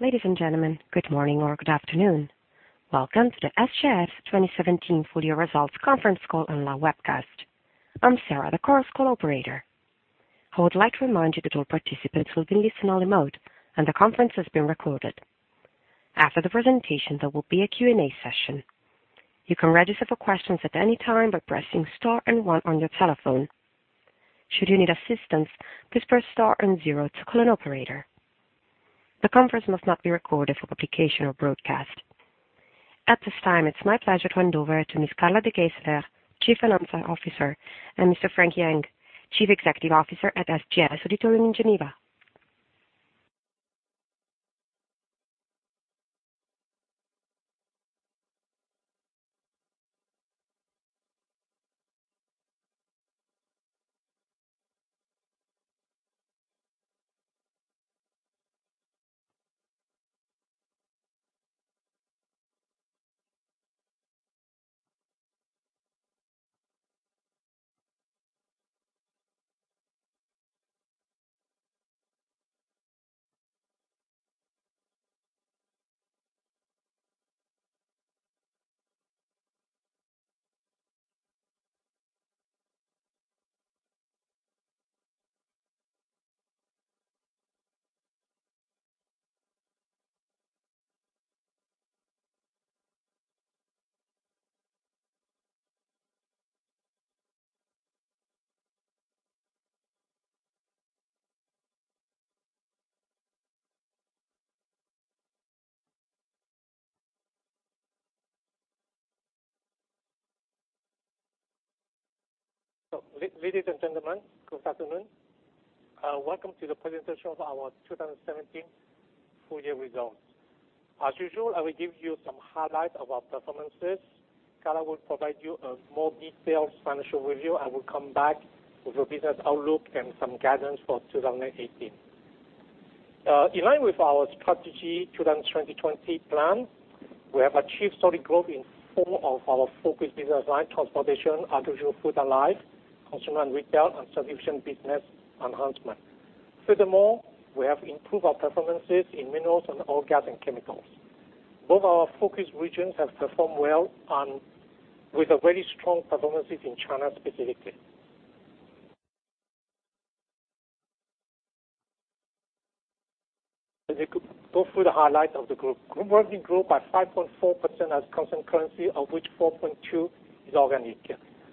Ladies and gentlemen, good morning or good afternoon. Welcome to the SGS 2017 full year results conference call and live webcast. I'm Sarah, the Chorus Call operator. I would like to remind you that all participants will be listening-only mode, and the conference is being recorded. After the presentation, there will be a Q&A session. You can register for questions at any time by pressing star 1 on your telephone. Should you need assistance, please press star 0 to call an operator. The conference must not be recorded for publication or broadcast. At this time, it's my pleasure to hand over to Ms. Carla De Geyseleer, Chief Financial Officer, and Mr. Frankie Ng, Chief Executive Officer at SGS in Geneva. Ladies and gentlemen, good afternoon. Welcome to the presentation of our 2017 full year results. As usual, I will give you some highlights of our performances. Carla will provide you a more detailed financial review. I will come back with a business outlook and some guidance for 2018. In line with our strategy toward the 2020 plan, we have achieved solid growth in four of our focus business line, Transportation, Agriculture, Food and Life, Consumer and Retail, and solution business enhancement. Furthermore, we have improved our performances in Minerals and Oil, Gas and Chemicals. Both our focus regions have performed well and with a very strong performances in China specifically. Let me go through the highlight of the group. Group revenue grew by 5.4% at constant currency, of which 4.2% is organic.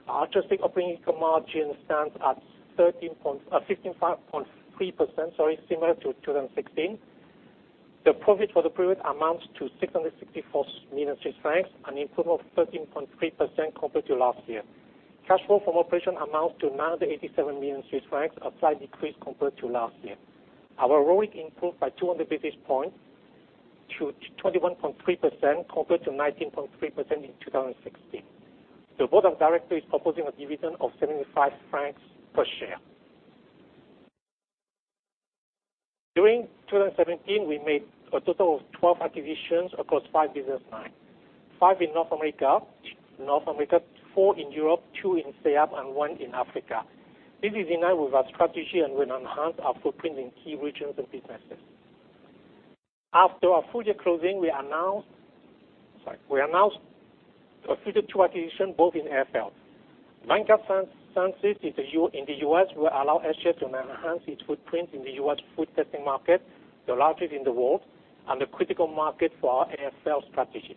Our adjusted operating income margin stands at 15.3%, similar to 2016. The profit for the period amounts to 664 million Swiss francs, an improvement of 13.3% compared to last year. Cash flow from operation amounts to 987 million Swiss francs, a slight decrease compared to last year. Our ROIC improved by 200 basis points to 21.3%, compared to 19.3% in 2016. The board of directors is proposing a dividend of 75 francs per share. During 2017, we made a total of 12 acquisitions across five business lines, five in North America, four in Europe, two in SEAP and one in Africa. This is in line with our strategy and will enhance our footprint in key regions and businesses. After our full year closing, we announced a further two acquisition both in AFL. Vanguard Sciences in the U.S. will allow SGS to enhance its footprint in the U.S. food testing market, the largest in the world, and a critical market for our AFL strategy.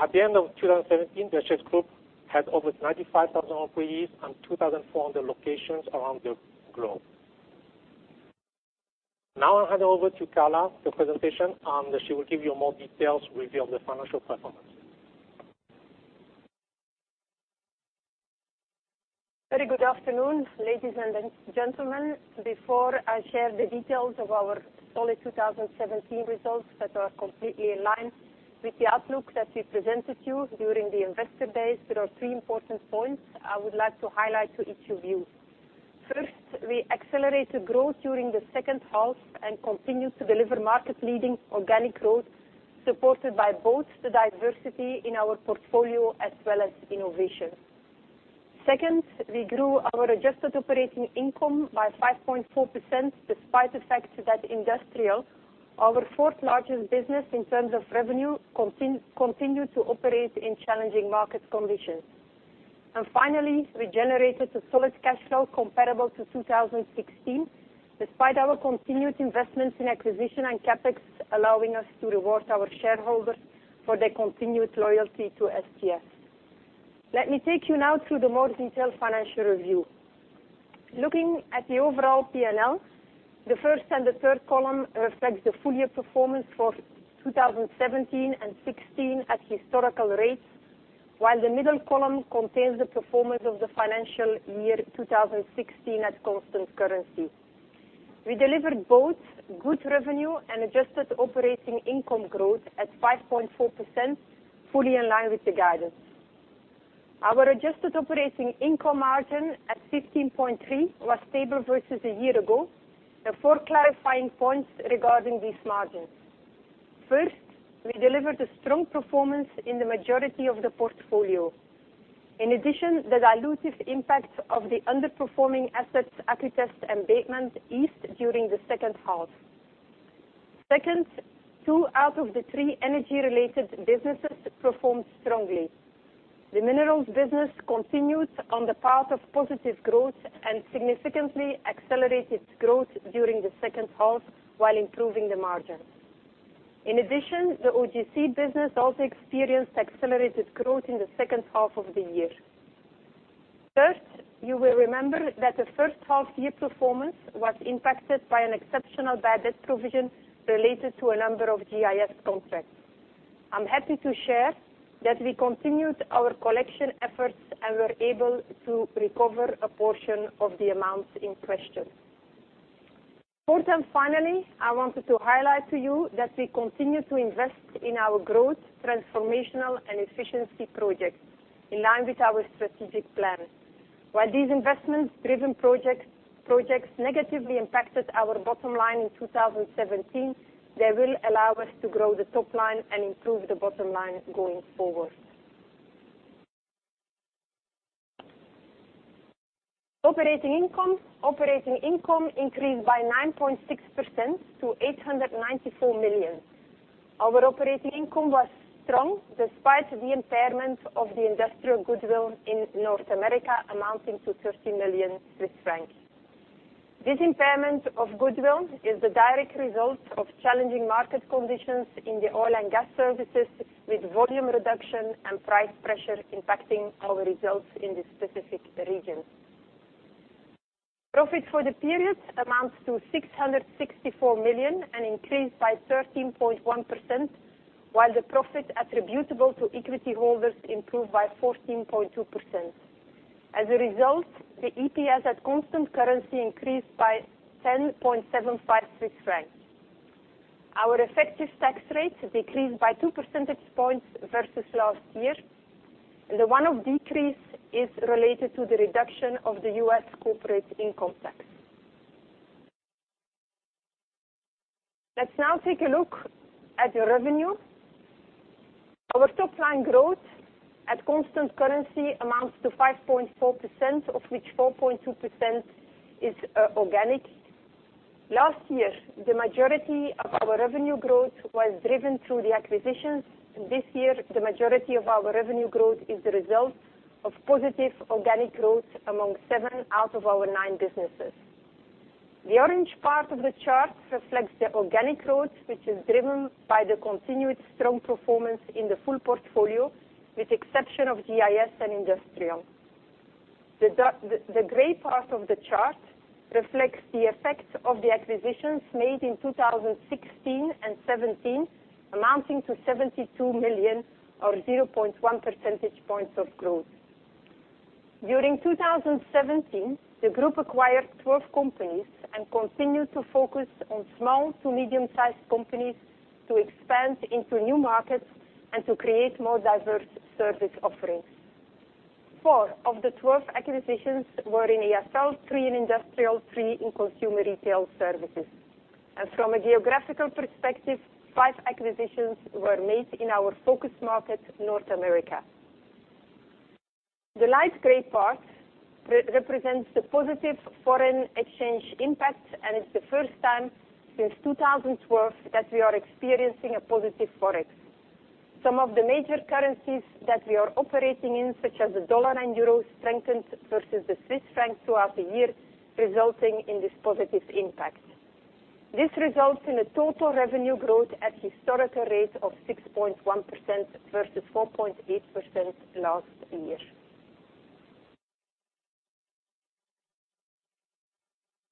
At the end of 2017, the SGS group had over 95,000 employees and 2,400 locations around the globe. Now I'll hand over to Carla, the presentation, and she will give you more details review of the financial performance. Very good afternoon, ladies and gentlemen. Before I share the details of our solid 2017 results that are completely in line with the outlook that we presented you during the investor days, there are three important points I would like to highlight to each of you. First, we accelerated growth during the second half and continued to deliver market leading organic growth supported by both the diversity in our portfolio as well as innovation. Second, we grew our adjusted operating income by 5.4%, despite the fact that Industrial, our fourth largest business in terms of revenue, continued to operate in challenging market conditions. Finally, we generated a solid cash flow comparable to 2016, despite our continued investments in acquisition and CapEx, allowing us to reward our shareholders for their continued loyalty to SGS. Let me take you now through the more detailed financial review. Looking at the overall P&L, the first and the third column reflects the full year performance for 2017 and 2016 at historical rates, while the middle column contains the performance of the financial year 2016 at constant currency. We delivered both good revenue and adjusted operating income growth at 5.4%, fully in line with the guidance. Our adjusted operating income margin at 15.3% was stable versus a year ago. There are four clarifying points regarding these margins. First, we delivered a strong performance in the majority of the portfolio. In addition, the dilutive impact of the underperforming assets, Agritest and Bateman, eased during the second half. Second, two out of the three energy-related businesses performed strongly. The Minerals business continues on the path of positive growth and significantly accelerated growth during the second half while improving the margin. In addition, the OGC business also experienced accelerated growth in the second half of the year. First, you will remember that the first half year performance was impacted by an exceptional bad debt provision related to a number of GIS contracts. I'm happy to share that we continued our collection efforts and were able to recover a portion of the amounts in question. Fourth, finally, I wanted to highlight to you that we continue to invest in our growth, transformational, and efficiency projects in line with our strategic plan. While these investments-driven projects negatively impacted our bottom line in 2017, they will allow us to grow the top line and improve the bottom line going forward. Operating income. Operating income increased by 9.6% to 894 million. Our operating income was strong despite the impairment of the Industrial goodwill in North America amounting to 30 million Swiss francs. This impairment of goodwill is the direct result of challenging market conditions in the oil and gas services, with volume reduction and price pressure impacting our results in this specific region. Profit for the period amounts to 664 million and increased by 13.1%, while the profit attributable to equity holders improved by 14.2%. As a result, the EPS at constant currency increased by 10.75 francs. Our effective tax rate decreased by two percentage points versus last year. The one-off decrease is related to the reduction of the U.S. corporate income tax. Let's now take a look at the revenue. Our top-line growth at constant currency amounts to 5.4%, of which 4.2% is organic. Last year, the majority of our revenue growth was driven through the acquisitions. This year, the majority of our revenue growth is the result of positive organic growth among seven out of our nine businesses. The orange part of the chart reflects the organic growth, which is driven by the continued strong performance in the full portfolio, with exception of GIS and industrial. The gray part of the chart reflects the effect of the acquisitions made in 2016 and 2017, amounting to 72 million or 0.1 percentage points of growth. During 2017, the group acquired 12 companies and continued to focus on small to medium-sized companies to expand into new markets and to create more diverse service offerings. Four of the 12 acquisitions were in AFL, three in industrial, three in Consumer Retail Services. From a geographical perspective, five acquisitions were made in our focus market, North America. The light gray part represents the positive foreign exchange impact, and it is the first time since 2012 that we are experiencing a positive Forex. Some of the major currencies that we are operating in, such as the USD and EUR, strengthened versus the CHF throughout the year, resulting in this positive impact. This results in a total revenue growth at historical rate of 6.1% versus 4.8% last year.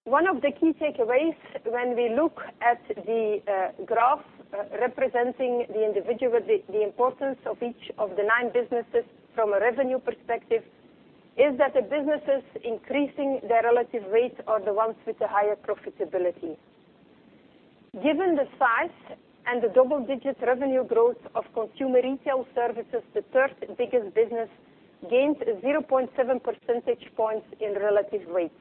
One of the key takeaways when we look at the graph representing the importance of each of the nine businesses from a revenue perspective is that the businesses increasing their relative weight are the ones with the higher profitability. Given the size and the double-digit revenue growth of Consumer Retail Services, the third biggest business gained 0.7 percentage points in relative weight.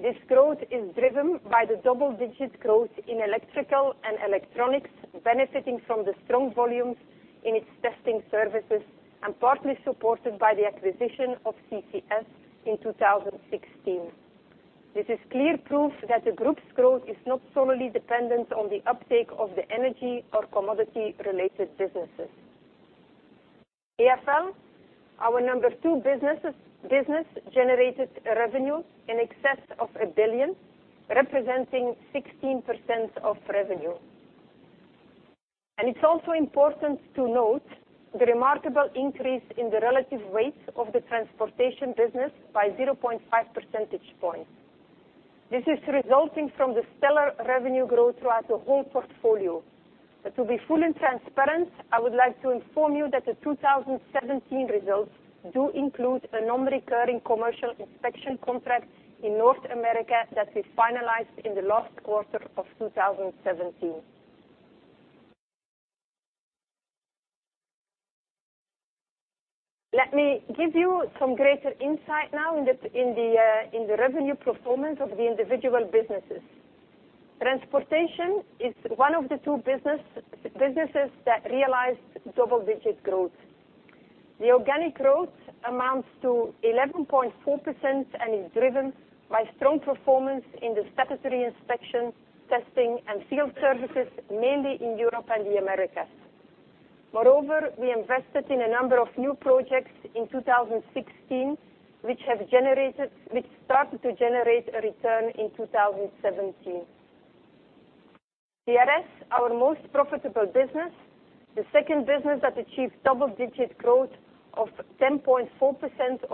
This growth is driven by the double-digit growth in Electrical and Electronics, benefiting from the strong volumes in its testing services and partly supported by the acquisition of Compliance Certification Services Inc. in 2016. This is clear proof that the group's growth is not solely dependent on the uptake of the energy or commodity-related businesses. AFL, our number 2 business, generated revenue in excess of 1 billion, representing 16% of revenue. It is also important to note the remarkable increase in the relative weight of the Transportation business by 0.5 percentage points. This is resulting from the stellar revenue growth throughout the whole portfolio. To be full and transparent, I would like to inform you that the 2017 results do include a non-recurring commercial inspection contract in North America that we finalized in the last quarter of 2017. Let me give you some greater insight now in the revenue performance of the individual businesses. Transportation is one of the two businesses that realized double-digit growth. The organic growth amounts to 11.4% and is driven by strong performance in the statutory inspection, testing, and field services, mainly in Europe and the Americas. Moreover, we invested in a number of new projects in 2016, which started to generate a return in 2017. CRS, our most profitable business, the second business that achieved double-digit growth of 10.4%,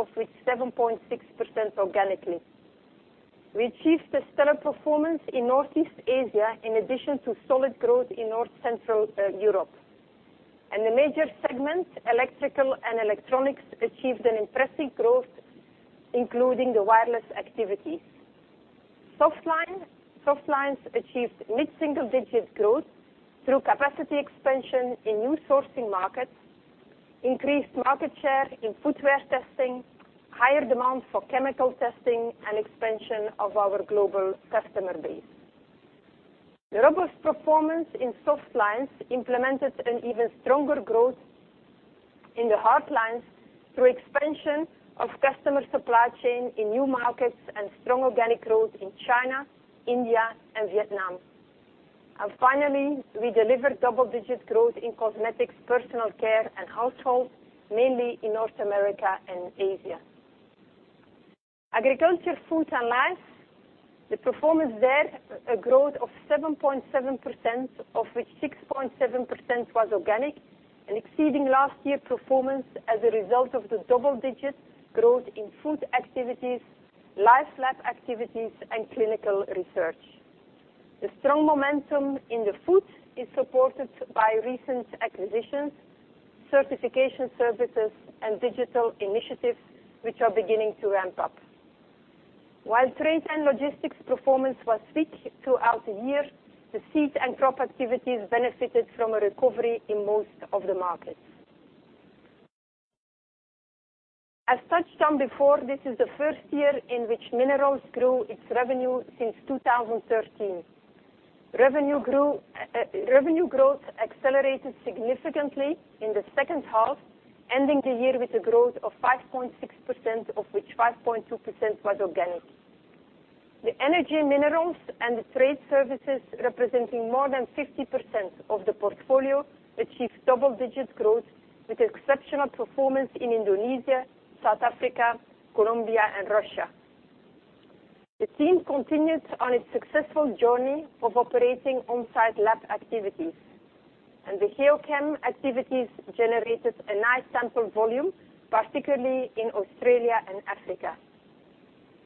of which 7.6% organically. We achieved a stellar performance in Northeast Asia in addition to solid growth in North Central Europe. The major segment, Electrical and Electronics, achieved an impressive growth, including the wireless activities. Softlines achieved mid-single digit growth through capacity expansion in new sourcing markets, increased market share in footwear testing, higher demand for chemical testing, and expansion of our global customer base. The robust performance in softlines complemented an even stronger growth in the hardlines through expansion of customer supply chain in new markets and strong organic growth in China, India, and Vietnam. Finally, we delivered double-digit growth in cosmetics, personal care, and household, mainly in North America and Asia. Agriculture, Food and Life, the performance there, a growth of 7.7%, of which 6.7% was organic, and exceeding last year's performance as a result of the double-digit growth in food activities, life lab activities, and clinical research. The strong momentum in the food is supported by recent acquisitions, certification services, and digital initiatives, which are beginning to ramp up. While trade and logistics performance was weak throughout the year, the seed and crop activities benefited from a recovery in most of the markets. As touched on before, this is the first year in which Minerals grew its revenue since 2013. Revenue growth accelerated significantly in the second half, ending the year with a growth of 5.6%, of which 5.2% was organic. The Energy and Minerals and the Trade Services representing more than 50% of the portfolio achieved double-digit growth with exceptional performance in Indonesia, South Africa, Colombia, and Russia. The team continued on its successful journey of operating on-site lab activities, and the Geochemistry activities generated a nice sample volume, particularly in Australia and Africa.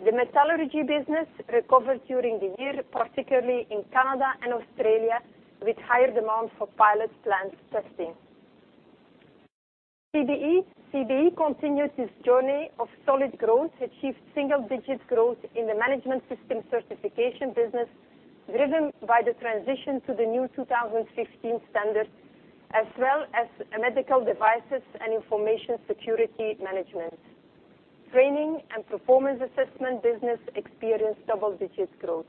The Metallurgy business recovered during the year, particularly in Canada and Australia, with higher demand for pilot plant testing. CBE. CBE continued its journey of solid growth, achieved single-digit growth in the management system certification business, driven by the transition to the new 2015 standards, as well as medical devices and information security management. Training and performance assessment business experienced double-digit growth.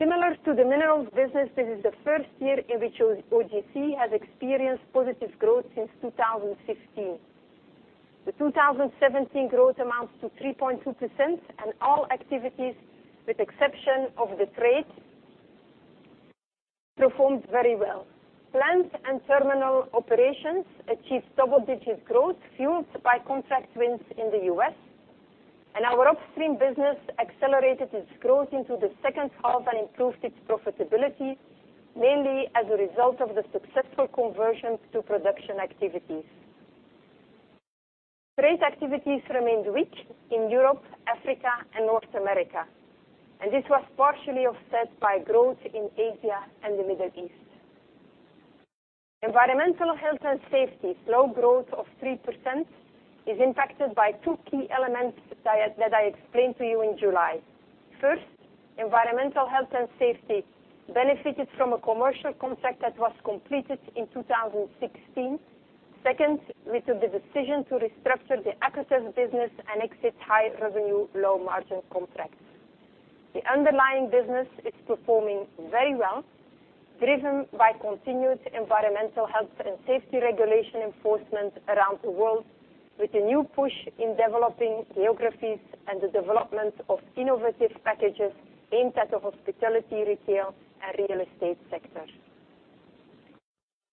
Similar to the Minerals business, this is the first year in which OGC has experienced positive growth since 2016. The 2017 growth amounts to 3.2%, and all activities, with exception of the Trade, performed very well. Plant and terminal operations achieved double-digit growth fueled by contract wins in the U.S., and our upstream business accelerated its growth into the second half and improved its profitability, mainly as a result of the successful conversion to production activities. Trade activities remained weak in Europe, Africa, and North America, and this was partially offset by growth in Asia and the Middle East. Environmental Health and Safety. Slow growth of 3% is impacted by two key elements that I explained to you in July. First, Environmental Health and Safety benefited from a commercial contract that was completed in 2016. Second, we took the decision to restructure the business and exit high-revenue, low-margin contracts. The underlying business is performing very well, driven by continued environmental health and safety regulation enforcement around the world with a new push in developing geographies and the development of innovative packages aimed at the hospitality, retail, and real estate sector.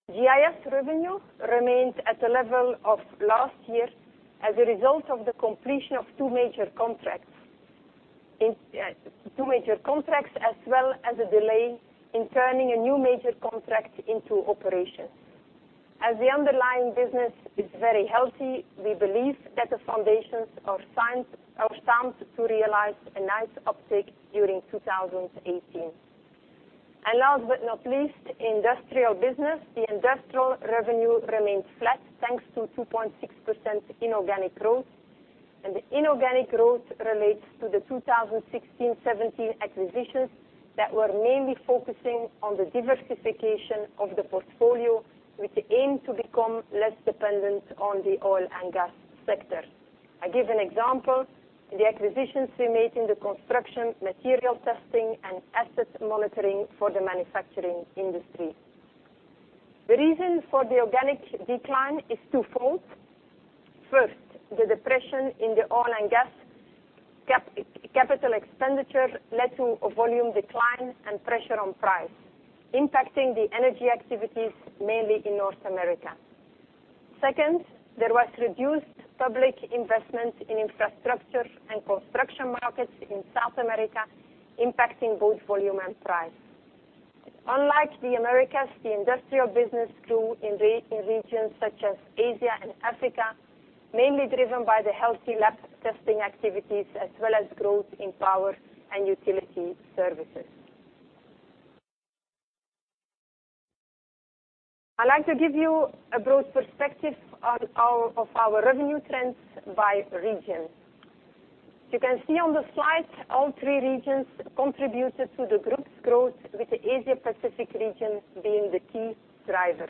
GIS revenue remained at the level of last year as a result of the completion of two major contracts, as well as a delay in turning a new major contract into operation. As the underlying business is very healthy, we believe that the foundations are stamped to realize a nice uptick during 2018. Last but not least, Industrial business. The Industrial revenue remained flat, thanks to 2.6% inorganic growth. The inorganic growth relates to the 2016-17 acquisitions that were mainly focusing on the diversification of the portfolio, with the aim to become less dependent on the Oil and Gas sector. I give an example, the acquisitions we made in the construction, material testing, and asset monitoring for the manufacturing industry. The reason for the organic decline is twofold. First, the depression in the oil and gas capital expenditure led to a volume decline and pressure on price, impacting the energy activities mainly in North America. Second, there was reduced public investment in infrastructure and construction markets in South America, impacting both volume and price. Unlike the Americas, the industrial business grew in regions such as Asia and Africa, mainly driven by the healthy lab testing activities as well as growth in power and utility services. I'd like to give you a broad perspective of our revenue trends by region. You can see on the slide, all three regions contributed to the group's growth, with the Asia-Pacific region being the key driver.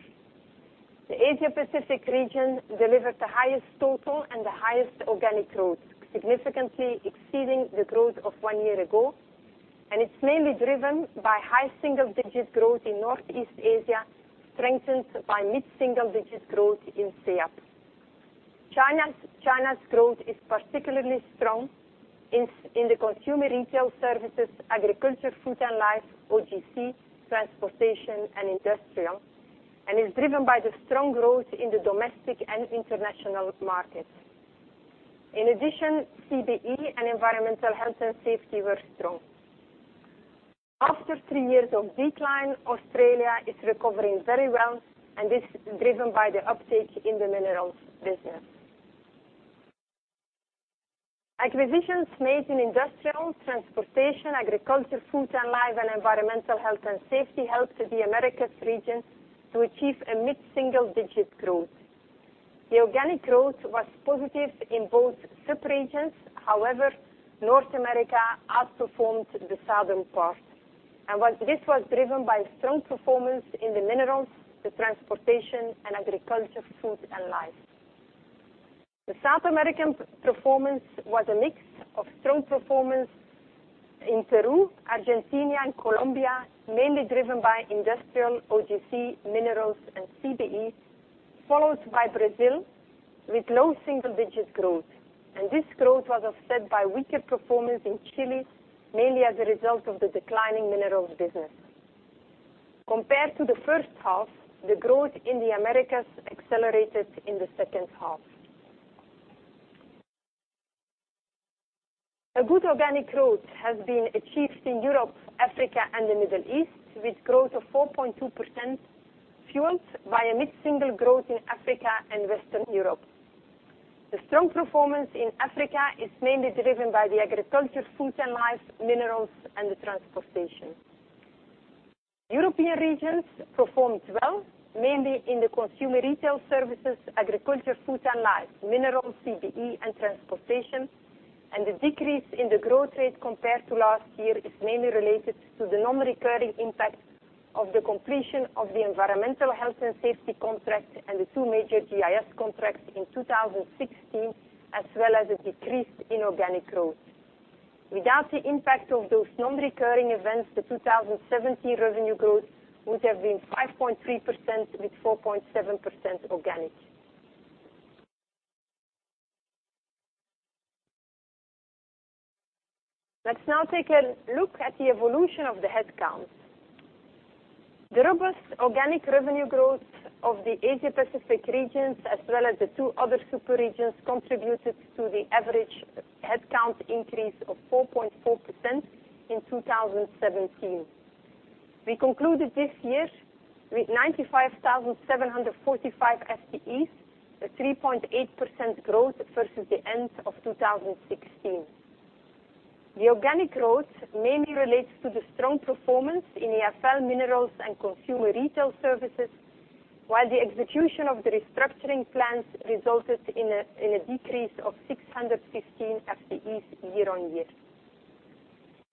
The Asia-Pacific region delivered the highest total and the highest organic growth, significantly exceeding the growth of one year ago. It's mainly driven by high single-digit growth in Northeast Asia, strengthened by mid-single digit growth in SEAP. China's growth is particularly strong in the Consumer and Retail services, Agriculture, Food and Life, OGC, Transportation, and industrial, and is driven by the strong growth in the domestic and international markets. In addition, CBE and Environmental Health and Safety were strong. After three years of decline, Australia is recovering very well, and this is driven by the uptake in the minerals business. Acquisitions made in industrial, Transportation, Agriculture, Food and Life, and Environmental Health and Safety helped the Americas region to achieve a mid-single digit growth. The organic growth was positive in both sub-regions. However, North America outperformed the southern part. This was driven by strong performance in the minerals, the Transportation, and Agriculture, Food and Life. The South American performance was a mix of strong performance in Peru, Argentina, and Colombia, mainly driven by industrial OGC, minerals, and CBE, followed by Brazil with low single-digit growth. This growth was offset by weaker performance in Chile, mainly as a result of the declining minerals business. Compared to the first half, the growth in the Americas accelerated in the second half. A good organic growth has been achieved in Europe, Africa, and the Middle East, with growth of 4.2%, fueled by a mid-single growth in Africa and Western Europe. The strong performance in Africa is mainly driven by the Agriculture, Food and Life, minerals, and the Transportation. European regions performed well, mainly in the Consumer and Retail services, Agriculture, Food and Life, minerals, CBE, and Transportation. The decrease in the growth rate compared to last year is mainly related to the non-recurring impact of the completion of the Environmental Health and Safety contract and the two major GIS contracts in 2016, as well as a decreased inorganic growth. Without the impact of those non-recurring events, the 2017 revenue growth would have been 5.3%, with 4.7% organic. Let's now take a look at the evolution of the headcount. The robust organic revenue growth of the Asia-Pacific regions, as well as the two other super regions, contributed to the average headcount increase of 4.4% in 2017. We concluded this year with 95,745 FTEs, a 3.8% growth versus the end of 2016. The organic growth mainly relates to the strong performance in AFL Minerals and Consumer and Retail services, while the execution of the restructuring plans resulted in a decrease of 615 FTEs year-over-year.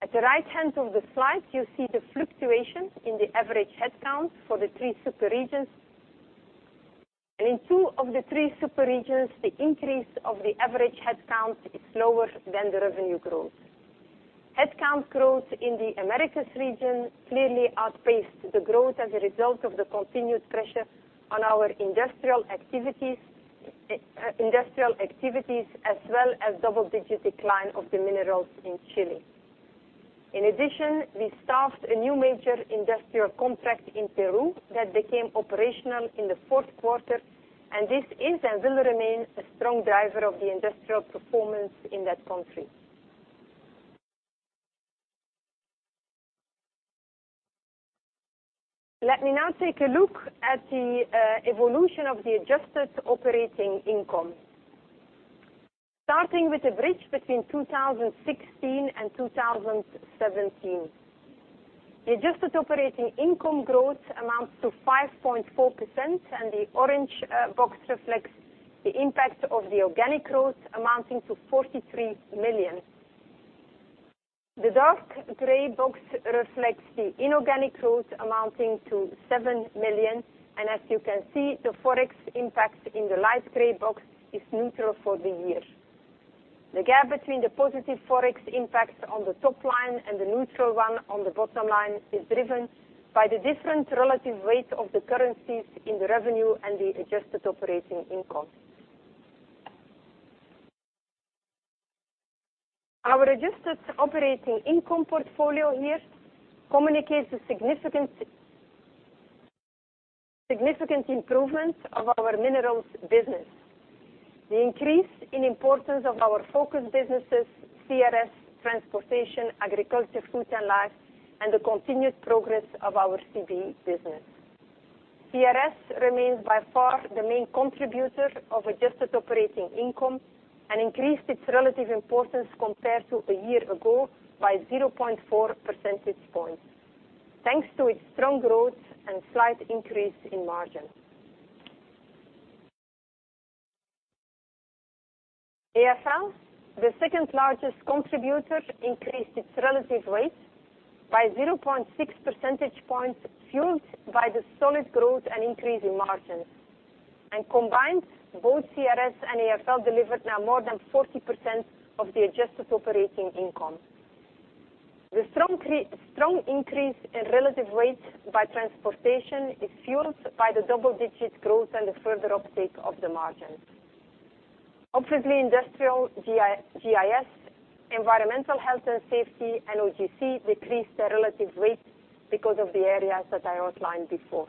At the right-hand of the slide, you see the fluctuation in the average headcount for the three super regions. In two of the three super regions, the increase of the average headcount is lower than the revenue growth. Headcount growth in the Americas region clearly outpaced the growth as a result of the continued pressure on our Industrial activities, as well as double-digit decline of the Minerals in Chile. In addition, we staffed a new major industrial contract in Peru that became operational in the fourth quarter. This is and will remain a strong driver of the Industrial performance in that country. Let me now take a look at the evolution of the adjusted operating income. Starting with the bridge between 2016 and 2017. The adjusted operating income growth amounts to 5.4%. The orange box reflects the impact of the organic growth amounting to 43 million. The dark gray box reflects the inorganic growth amounting to 7 million. As you can see, the ForEx impact in the light gray box is neutral for the year. The gap between the positive ForEx impact on the top line and the neutral one on the bottom line is driven by the different relative weight of the currencies in the revenue and the adjusted operating income. Our adjusted operating income portfolio here communicates the significant improvement of our Minerals business. The increase in importance of our focus businesses, CRS, Transportation, Agriculture, Food and Life, and the continued progress of our CBE business. CRS remains by far the main contributor of adjusted operating income and increased its relative importance compared to a year ago by 0.4 percentage points, thanks to its strong growth and slight increase in margin. AFL, the second largest contributor, increased its relative weight by 0.6 percentage points, fueled by the solid growth and increase in margins. Combined, both CRS and AFL delivered now more than 40% of the adjusted operating income. The strong increase in relative weight by Transportation is fueled by the double-digit growth and the further uptake of the margins. Obviously, Industrial, GIS, Environmental Health and Safety, and OGC decreased their relative weight because of the areas that I outlined before.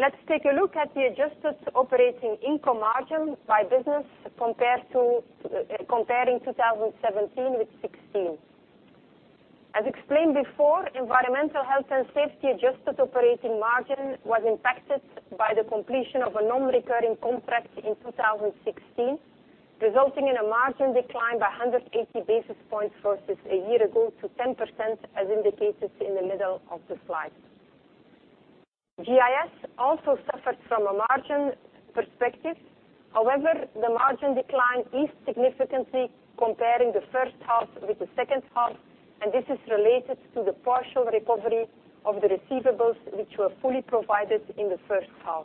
Let's take a look at the adjusted operating income margin by business comparing 2017 with 2016. As explained before, Environmental Health and Safety adjusted operating margin was impacted by the completion of a non-recurring contract in 2016, resulting in a margin decline by 180 basis points versus a year-ago to 10%, as indicated in the middle of the slide. GIS also suffered from a margin perspective. However, the margin decline is significantly comparing the first half with the second half. This is related to the partial recovery of the receivables, which were fully provided in the first half.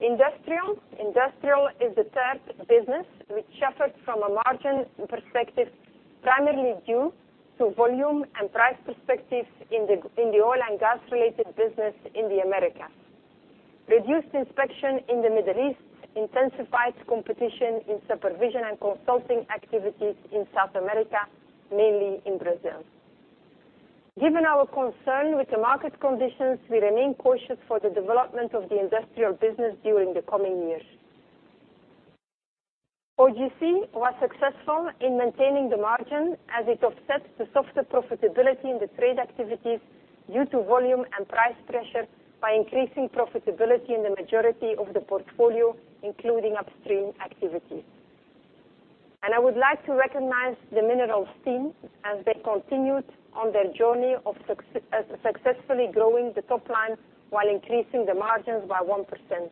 Industrial. Industrial is the third business which suffered from a margin perspective, primarily due to volume and price perspective in the oil and gas-related business in the Americas. Reduced inspection in the Middle East intensified competition in supervision and consulting activities in South America, mainly in Brazil. Given our concern with the market conditions, we remain cautious for the development of the industrial business during the coming years. OGC was successful in maintaining the margin as it offsets the softer profitability in the trade activities due to volume and price pressure by increasing profitability in the majority of the portfolio, including upstream activities. I would like to recognize the minerals team as they continued on their journey of successfully growing the top line while increasing the margins by 1%.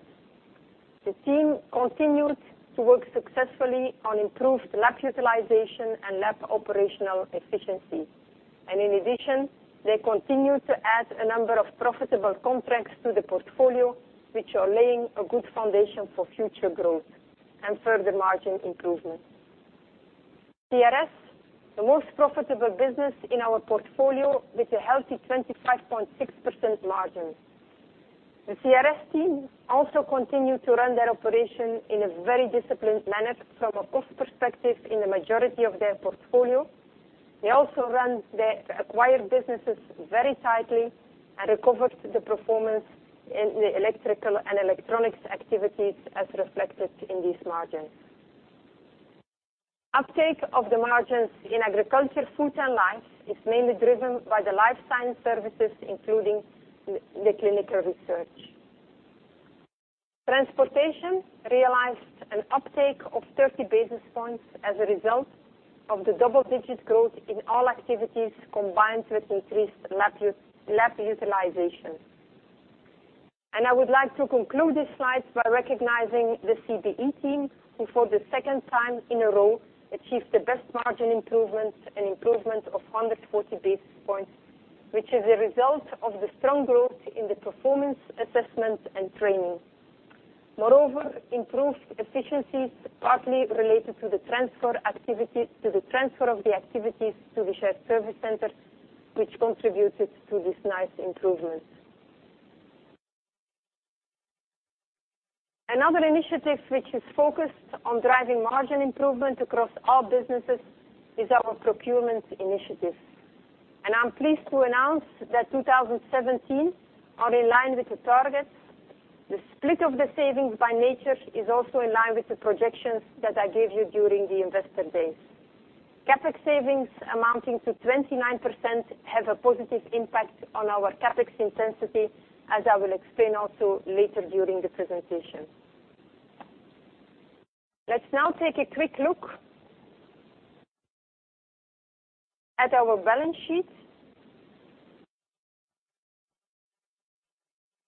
The team continued to work successfully on improved lab utilization and lab operational efficiency. In addition, they continued to add a number of profitable contracts to the portfolio, which are laying a good foundation for future growth and further margin improvement. CRS, the most profitable business in our portfolio with a healthy 25.6% margin. The CRS team also continued to run their operation in a very disciplined manner from a cost perspective in the majority of their portfolio. They also ran the acquired businesses very tightly and recovered the performance in the electrical and electronics activities as reflected in these margins. Uptake of the margins in Agriculture, Food and Life is mainly driven by the life science services, including the clinical research. Transportation realized an uptake of 30 basis points as a result of the double-digit growth in all activities, combined with increased lab utilization. I would like to conclude this slide by recognizing the CBE team, who for the second time in a row achieved the best margin improvement, an improvement of 140 basis points, which is a result of the strong growth in the performance assessment and training. Moreover, improved efficiencies partly related to the transfer of the activities to the shared service center, which contributed to this nice improvement. Another initiative which is focused on driving margin improvement across all businesses is our procurement initiative. I'm pleased to announce that 2017 are in line with the targets. The split of the savings by nature is also in line with the projections that I gave you during the investor days. CapEx savings amounting to 29% have a positive impact on our CapEx intensity, as I will explain also later during the presentation. Let's now take a quick look at our balance sheet.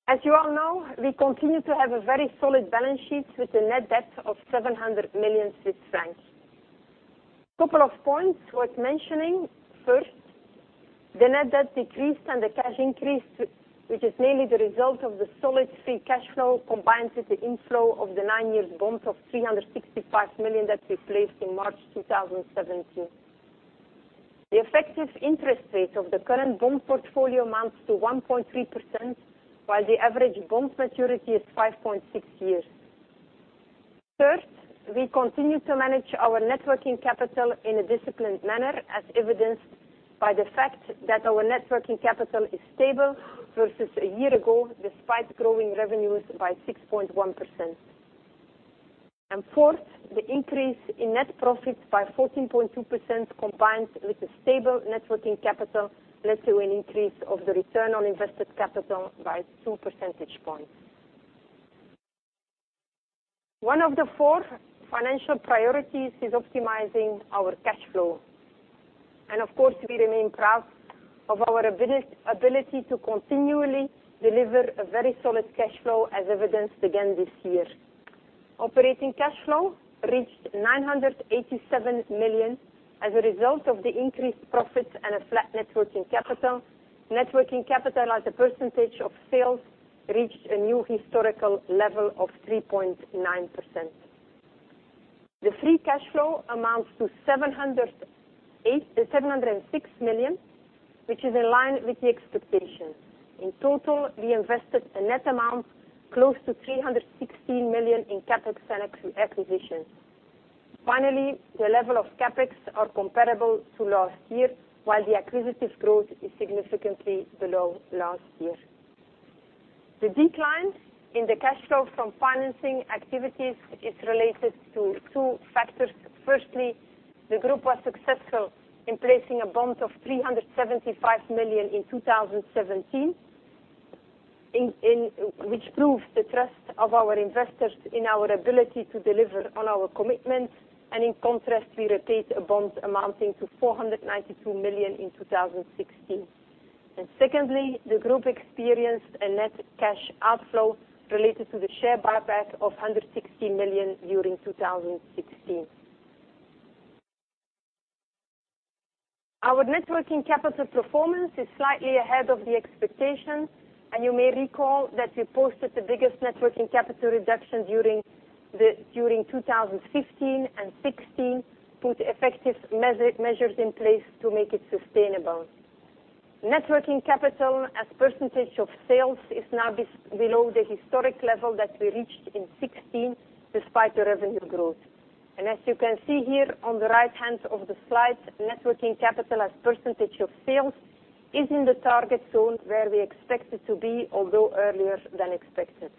As you all know, we continue to have a very solid balance sheet with a net debt of 700 million Swiss francs. Couple of points worth mentioning. First, the net debt decreased and the cash increased, which is mainly the result of the solid free cash flow combined with the inflow of the nine-year bond of 365 million that we placed in March 2017. The effective interest rate of the current bond portfolio amounts to 1.3%, while the average bond maturity is 5.6 years. Third, we continue to manage our net working capital in a disciplined manner, as evidenced by the fact that our net working capital is stable versus a year ago, despite growing revenues by 6.1%. Fourth, the increase in net profit by 14.2% combined with a stable net working capital led to an increase of the return on invested capital by two percentage points. One of the four financial priorities is optimizing our cash flow. Of course, we remain proud of our ability to continually deliver a very solid cash flow, as evidenced again this year. Operating cash flow reached 987 million as a result of the increased profit and a flat net working capital. Net working capital as a percentage of sales reached a new historical level of 3.9%. The free cash flow amounts to 706 million, which is in line with the expectation. In total, we invested a net amount close to 316 million in CapEx and acquisitions. Finally, the level of CapEx are comparable to last year, while the acquisitive growth is significantly below last year. The decline in the cash flow from financing activities is related to two factors. Firstly, the group was successful in placing a bond of 375 million in 2017, which proves the trust of our investors in our ability to deliver on our commitments. In contrast, we repaid a bond amounting to 492 million in 2016. Secondly, the group experienced a net cash outflow related to the share buyback of 160 million during 2016. Our net working capital performance is slightly ahead of the expectation. You may recall that we posted the biggest net working capital reduction during 2015 and 2016, put effective measures in place to make it sustainable. Net working capital as percentage of sales is now below the historic level that we reached in 2016, despite the revenue growth. As you can see here on the right-hand of the slide, net working capital as percentage of sales is in the target zone where we expect it to be, although earlier than expected.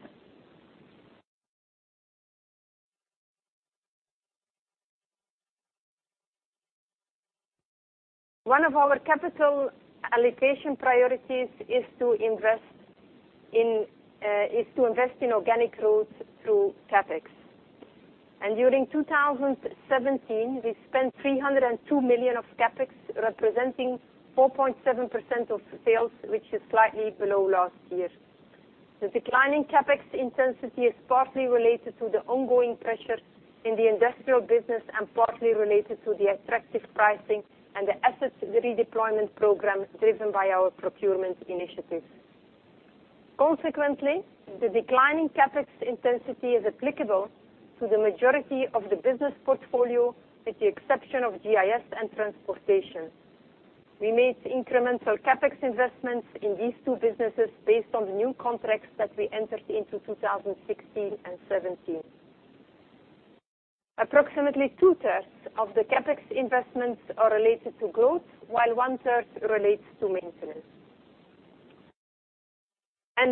One of our capital allocation priorities is to invest in organic growth through CapEx. During 2017, we spent 302 million of CapEx, representing 4.7% of sales, which is slightly below last year. The decline in CapEx intensity is partly related to the ongoing pressure in the industrial business and partly related to the attractive pricing and the assets redeployment program driven by our procurement initiatives. Consequently, the decline in CapEx intensity is applicable to the majority of the business portfolio, with the exception of GIS and Transportation. We made incremental CapEx investments in these two businesses based on the new contracts that we entered into 2016 and 2017. Approximately two-thirds of the CapEx investments are related to growth, while one-third relates to maintenance.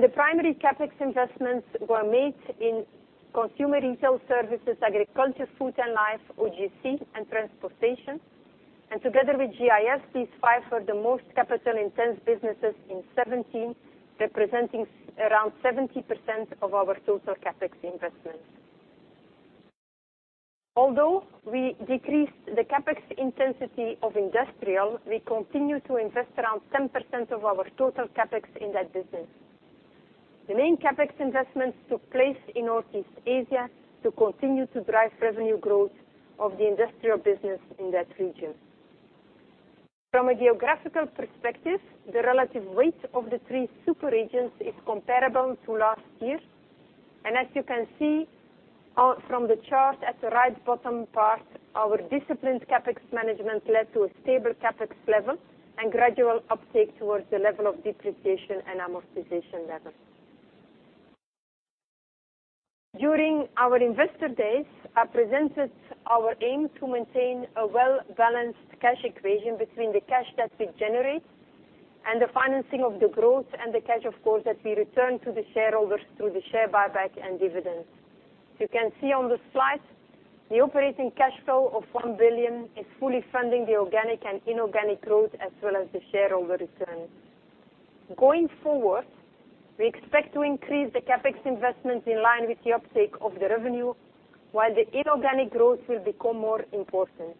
The primary CapEx investments were made in consumer retail services, Agriculture, Food and Life, OGC, and Transportation. Together with GIS, these five were the most capital-intense businesses in 2017, representing around 70% of our total CapEx investments. Although we decreased the CapEx intensity of industrial, we continue to invest around 10% of our total CapEx in that business. The main CapEx investments took place in Northeast Asia to continue to drive revenue growth of the industrial business in that region. From a geographical perspective, the relative weight of the three super regions is comparable to last year. As you can see from the chart at the right bottom part, our disciplined CapEx management led to a stable CapEx level and gradual uptake towards the level of depreciation and amortization level. During our investor days, I presented our aim to maintain a well-balanced cash equation between the cash that we generate And the financing of the growth and the cash flow that we return to the shareholders through the share buyback and dividends. You can see on the slide, the operating cash flow of 1 billion is fully funding the organic and inorganic growth as well as the shareholder returns. Going forward, we expect to increase the CapEx investments in line with the uptake of the revenue, while the inorganic growth will become more important.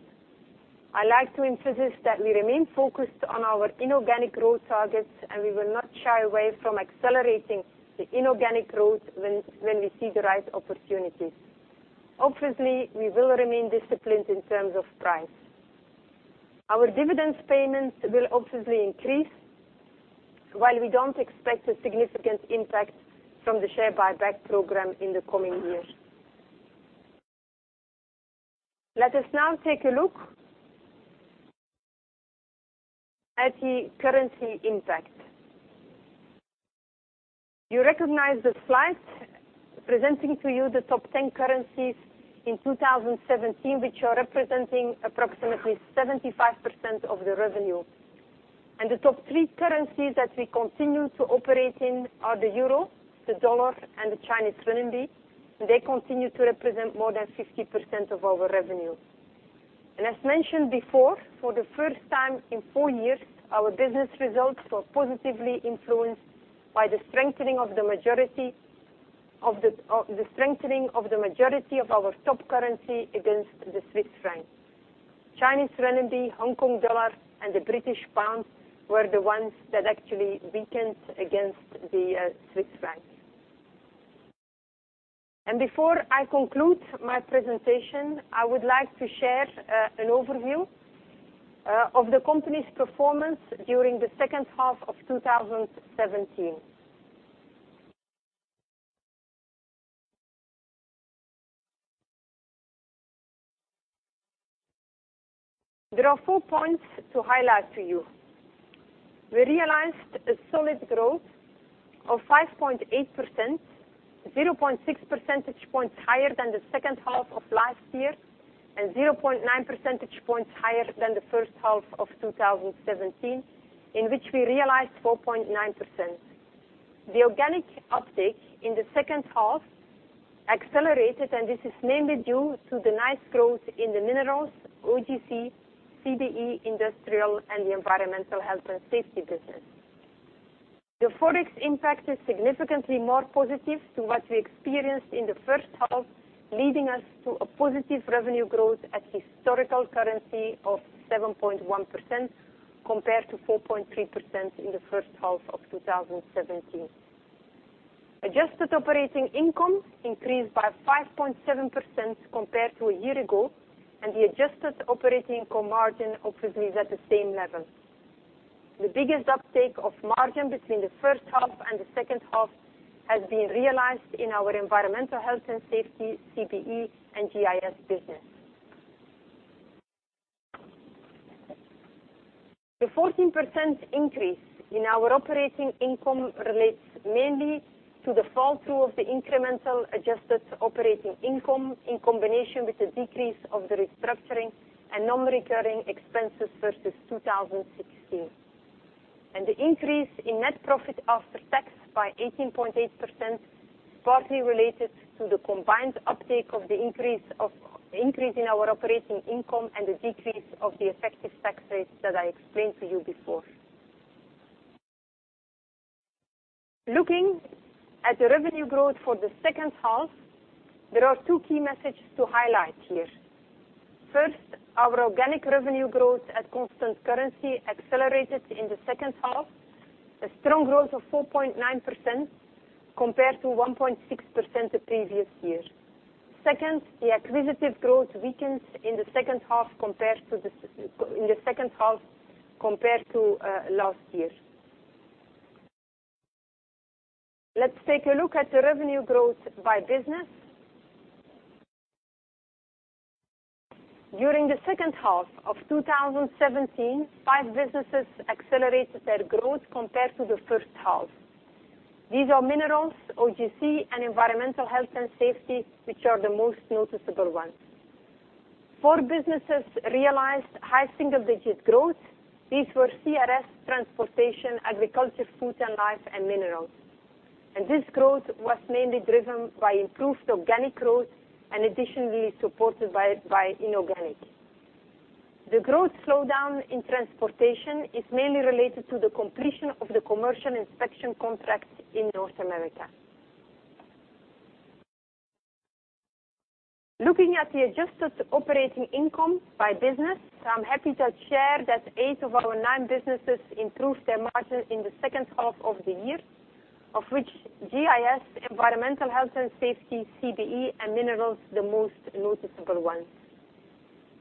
I'd like to emphasize that we remain focused on our inorganic growth targets. We will not shy away from accelerating the inorganic growth when we see the right opportunities. Obviously, we will remain disciplined in terms of price. Our dividends payments will obviously increase, while we don't expect a significant impact from the share buyback program in the coming years. Let us now take a look at the currency impact. You recognize the slide presenting to you the top 10 currencies in 2017, which are representing approximately 75% of the revenue. The top three currencies that we continue to operate in are the EUR, the USD, and the CNY. They continue to represent more than 50% of our revenue. As mentioned before, for the first time in four years, our business results were positively influenced by the strengthening of the majority of our top currency against the Swiss franc. CNY, HKD, and the GBP were the ones that actually weakened against the Swiss franc. Before I conclude my presentation, I would like to share an overview of the company's performance during the second half of 2017. There are four points to highlight to you. We realized a solid growth of 5.8%, 0.6 percentage points higher than the second half of last year and 0.9 percentage points higher than the first half of 2017, in which we realized 4.9%. The organic uptake in the second half accelerated. This is mainly due to the nice growth in the Minerals, OGC, CBE, Industrial, and the Environmental Health and Safety business. The ForEx impact is significantly more positive to what we experienced in the first half, leading us to a positive revenue growth at historical currency of 7.1% compared to 4.3% in the first half of 2017. Adjusted operating income increased by 5.7% compared to a year ago, and the adjusted operating income margin obviously is at the same level. The biggest uptake of margin between the first half and the second half has been realized in our Environmental Health and Safety, CBE, and GIS business. The 14% increase in our operating income relates mainly to the fall-through The increase in net profit after tax by 18.8% partly related to the combined uptake of the increase in our operating income and the decrease of the effective tax rate that I explained to you before. Looking at the revenue growth for the second half, there are two key messages to highlight here. First, our organic revenue growth at constant currency accelerated in the second half, a strong growth of 4.9% compared to 1.6% the previous year. Second, the acquisitive growth weakened in the second half compared to last year. Let's take a look at the revenue growth by business. During the second half of 2017, five businesses accelerated their growth compared to the first half. These are Minerals, OGC, and Environmental Health and Safety, which are the most noticeable ones. Four businesses realized high single-digit growth. These were CRS, Transportation, Agriculture, Food and Life, and Minerals. This growth was mainly driven by improved organic growth and additionally supported by inorganic. The growth slowdown in Transportation is mainly related to the completion of the commercial inspection contract in North America. Looking at the adjusted operating income by business, I'm happy to share that eight of our nine businesses improved their margin in the second half of the year, of which GIS, Environmental, Health and Safety, CBE, and Minerals the most noticeable ones.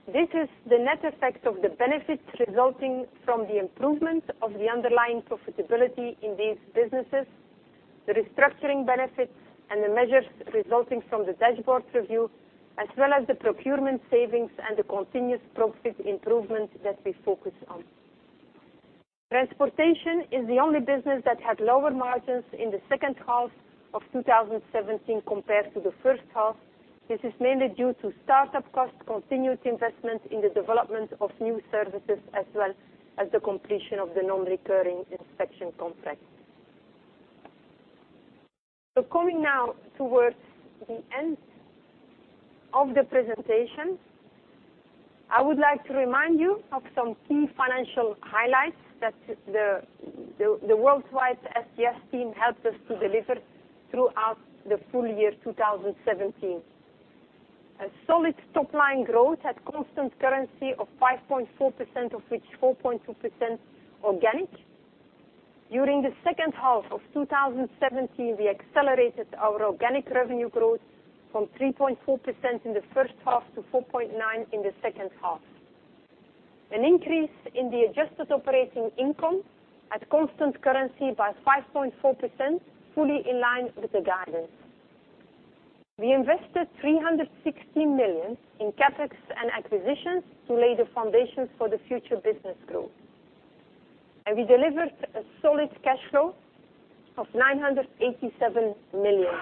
This is the net effect of the benefits resulting from the improvement of the underlying profitability in these businesses, the restructuring benefits, and the measures resulting from the dashboard review, as well as the procurement savings and the continuous profit improvement that we focus on. Transportation is the only business that had lower margins in the second half of 2017 compared to the first half. This is mainly due to startup costs, continued investment in the development of new services, as well as the completion of the non-recurring inspection contract. Coming now towards the end of the presentation, I would like to remind you of some key financial highlights that the worldwide SGS team helped us to deliver throughout the full year 2017. A solid top-line growth at constant currency of 5.4%, of which 4.2% organic. During the second half of 2017, we accelerated our organic revenue growth from 3.4% in the first half to 4.9% in the second half. An increase in the adjusted operating income at constant currency by 5.4%, fully in line with the guidance. We invested 360 million in CapEx and acquisitions to lay the foundations for the future business growth. We delivered a solid cash flow of 987 million.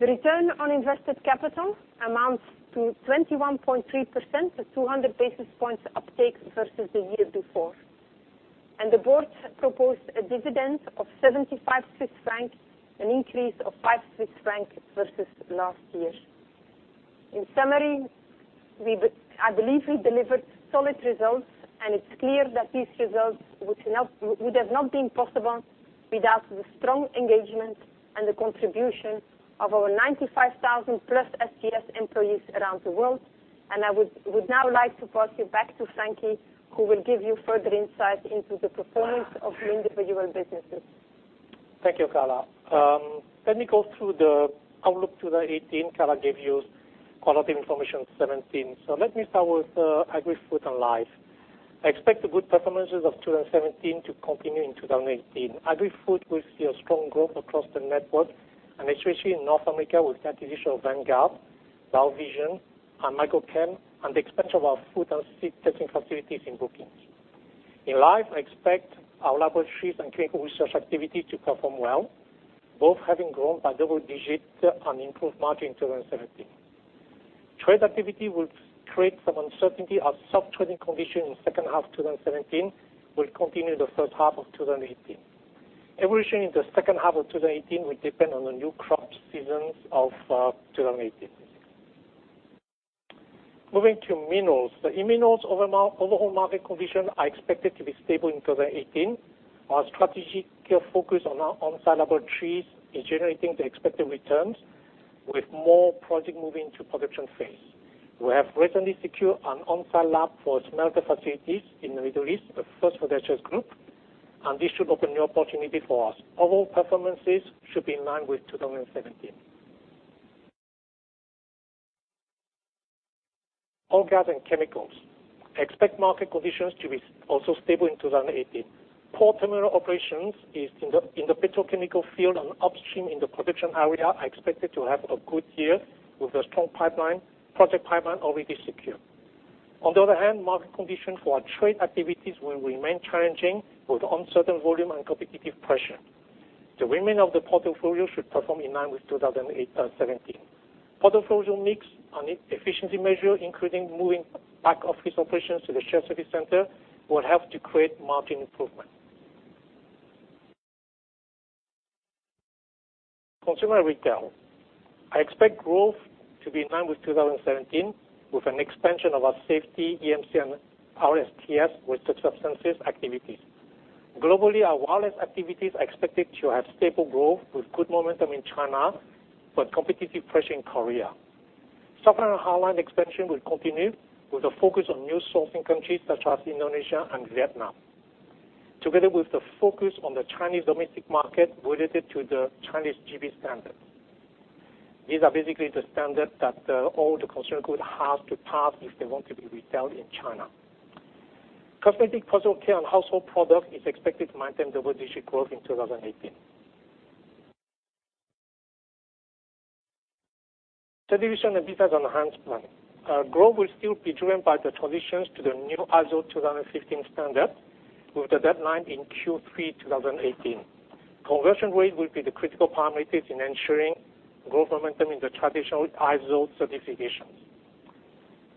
The return on invested capital amounts to 21.3%, a 200 basis points uptake versus the year before. The board proposed a dividend of 75 Swiss francs, an increase of 5 Swiss francs versus last year. In summary, I believe we delivered solid results, and it's clear that these results would have not been possible without the strong engagement and the contribution of our 95,000-plus SGS employees around the world. I would now like to pass you back to Frankie, who will give you further insight into the performance of the individual businesses. Thank you, Carla. Let me go through the outlook to 2018. Carla gave you qualitative information 2017. Let me start with Agri, Food, and Life. I expect the good performances of 2017 to continue in 2018. Agri Food will see a strong growth across the network, and especially in North America with the acquisition of Vanguard, BioVision, and ILC Micro-Chem, and the expansion of our food and seed testing facilities in Brookings. In Life, I expect our laboratories and clinical research activity to perform well, both having grown by double digits on improved margin in 2017. Trade activity will create some uncertainty as sub-trading conditions in the second half of 2017 will continue the first half of 2018. Evolution in the second half of 2018 will depend on the new crop seasons of 2018. Moving to Minerals. The Minerals overall market condition are expected to be stable in 2018. Our strategic focus on our on-site laboratories is generating the expected returns with more projects moving to production phase. We have recently secured an on-site lab for a smelter facilities in the Middle East, a first for the SGS Group, and this should open new opportunity for us. Overall performances should be in line with 2017. Oil, Gas and Chemicals. I expect market conditions to be also stable in 2018. Port terminal operations is in the petrochemical field and upstream in the production area are expected to have a good year with a strong project pipeline already secure. On the other hand, market conditions for our trade activities will remain challenging with uncertain volume and competitive pressure. The remainder of the portfolio should perform in line with 2017. Portfolio mix and efficiency measure, including moving back-office operations to the shared service center, will help to create margin improvement. Consumer Retail. I expect growth to be in line with 2017 with an expansion of our safety EMC and RoHS restricted substances activities. Globally, our wireless activities are expected to have stable growth with good momentum in China, but competitive pressure in Korea. Supplier and online expansion will continue with a focus on new sourcing countries such as Indonesia and Vietnam. Together with the focus on the Chinese domestic market related to the Chinese GB standard. These are basically the standards that all the consumer goods have to pass if they want to be retailed in China. Cosmetic, personal care, and household product is expected to maintain double-digit growth in 2018. Certification & Business Enhancement. Our growth will still be driven by the transitions to the new ISO 2015 standard, with the deadline in Q3 2018. Conversion rate will be the critical parameters in ensuring growth momentum in the traditional ISO certifications.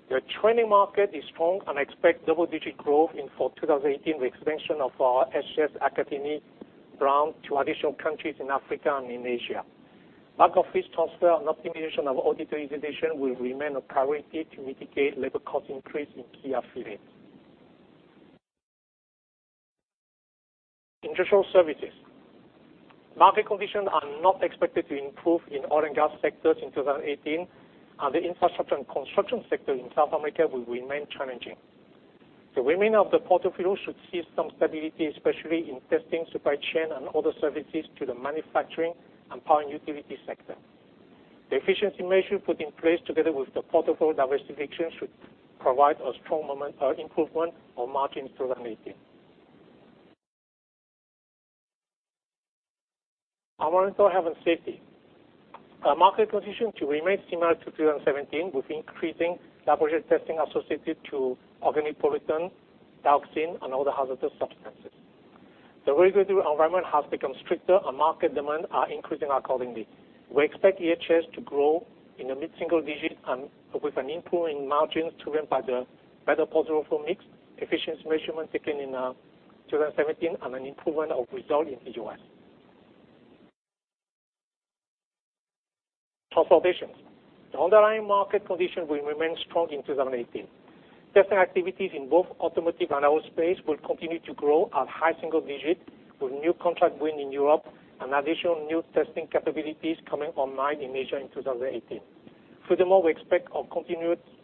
The training market is strong. I expect double-digit growth for 2018 with expansion of our SGS Academy brand to additional countries in Africa and in Asia. Back-office transfer and optimization of auditor utilization will remain a priority to mitigate labor cost increase in key affiliates. Industrial Services. Market conditions are not expected to improve in Oil and Gas sectors in 2018, and the infrastructure and construction sector in South America will remain challenging. The remainder of the portfolio should see some stability, especially in testing supply chain and other services to the manufacturing and power and utility sector. The efficiency measure put in place together with the portfolio diversification should provide a strong improvement on margin in 2018. Environmental, Health and Safety. Our market condition to remain similar to 2017 with increasing laboratory testing associated to organic pollutant, dioxin, and other hazardous substances. The regulatory environment has become stricter and market demand are increasing accordingly. We expect EHS to grow in the mid-single digit with an improving margin driven by the better portfolio mix, efficiency measurements taken in 2017, and an improvement of results in EHS. Transportations. The underlying market condition will remain strong in 2018. Testing activities in both automotive and aerospace will continue to grow at high single digits with new contract wins in Europe and additional new testing capabilities coming online in Asia in 2018. Furthermore, we expect a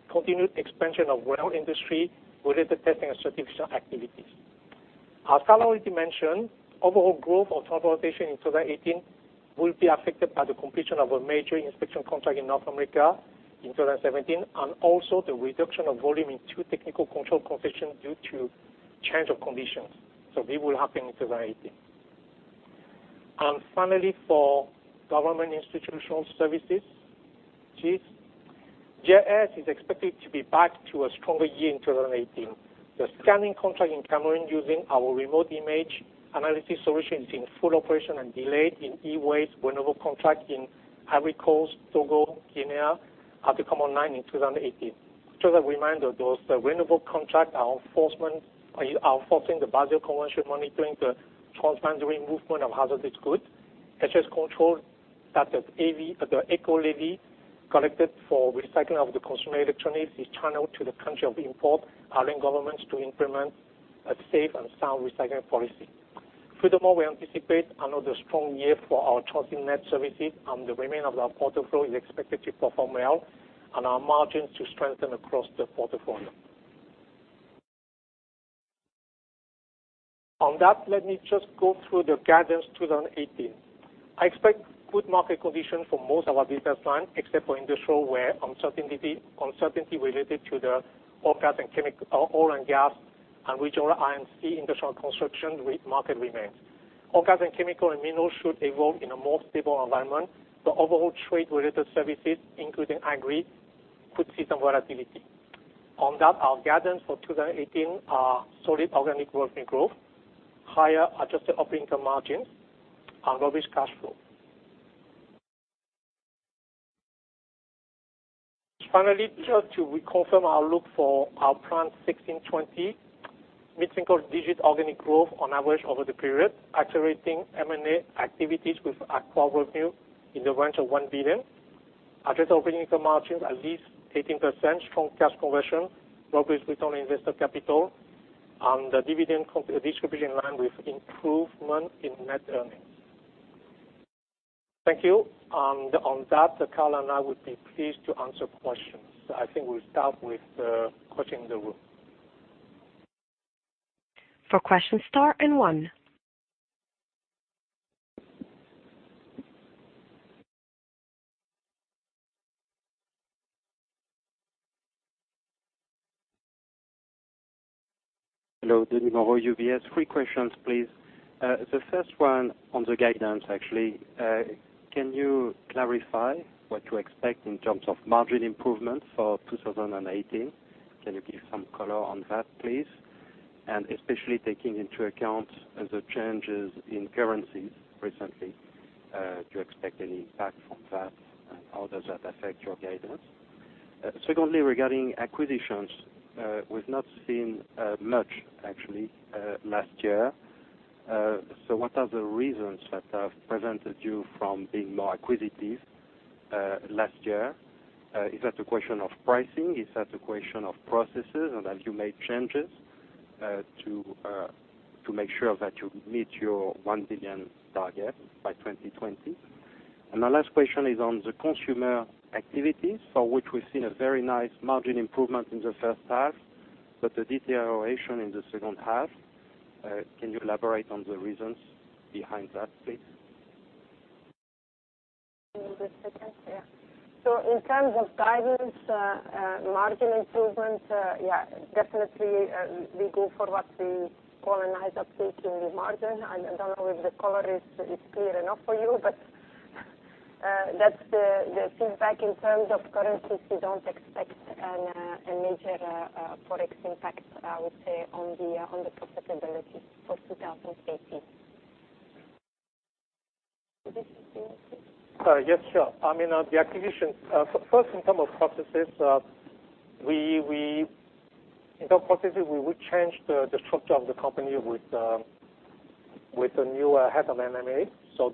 continued expansion of renewable industry related testing and certification activities. As Carla already mentioned, overall growth of Transportations in 2018 will be affected by the completion of a major inspection contract in North America in 2017, and also the reduction of volume in two technical control concessions due to change of conditions. This will happen in 2018. Finally, for Government Institutional Services, GIS. GIS is expected to be back to a stronger year in 2018. The scanning contract in Cameroon using our remote image analysis solution is in full operation and delayed in e-waste. Renewable contract in Ivory Coast, Togo, Guinea are to come online in 2018. Just a reminder, those renewable contracts are enforcing the Basel Convention, monitoring the movement of hazardous goods. HS control, that is the eco levy collected for recycling of the consumer electronics, is channeled to the country of import, allowing governments to implement a safe and sound recycling policy. Furthermore, we anticipate another strong year for our trusted net services and the remainder of our portfolio is expected to perform well, and our margins to strengthen across the portfolio. On that, let me just go through the guidance 2018. I expect good market conditions for most of our business lines, except for industrial, where uncertainty related to the oil and gas and regional IMC industrial construction market remains. OGC and chemical and minerals should evolve in a more stable environment, but overall trade-related services, including agri, could see some volatility. On that, our guidance for 2018 are solid organic revenue growth, higher adjusted operating income margins, and robust cash flow. Finally, just to reconfirm our look for our plan 2016-2020, mid-single-digit organic growth on average over the period, accelerating M&A activities with acquired revenue in the range of 1 billion, adjusted operating income margins at least 18%, strong cash conversion, robust return on investor capital, and the dividend distribution in line with improvement in net earnings. Thank you. On that, Carla and I would be pleased to answer questions. I think we'll start with questions in the room. For questions, star and one. Hello. Denis Moreau, UBS. Three questions, please. First one on the guidance, actually. Can you clarify what you expect in terms of margin improvement for 2018? Can you give some color on that, please, and especially taking into account the changes in currencies recently, do you expect any impact from that? How does that affect your guidance? Secondly, regarding acquisitions, we've not seen much actually last year. What are the reasons that have prevented you from being more acquisitive last year? Is that a question of pricing? Is that a question of processes and have you made changes to make sure that you meet your 1 billion target by 2020? My last question is on the consumer activities, for which we've seen a very nice margin improvement in the first half, but the deterioration in the second half. Can you elaborate on the reasons behind that, please? Give me one second. In terms of guidance, margin improvements, definitely, we go for what we call a nice upshift in the margin. I don't know if the color is clear enough for you, but that's the feedback in terms of currencies. We don't expect a major ForEx impact, I would say, on the profitability for 2018. This is for you, Philippe. Yes, sure. On the acquisition. First, in terms of processes, we will change the structure of the company with a new head of M&A.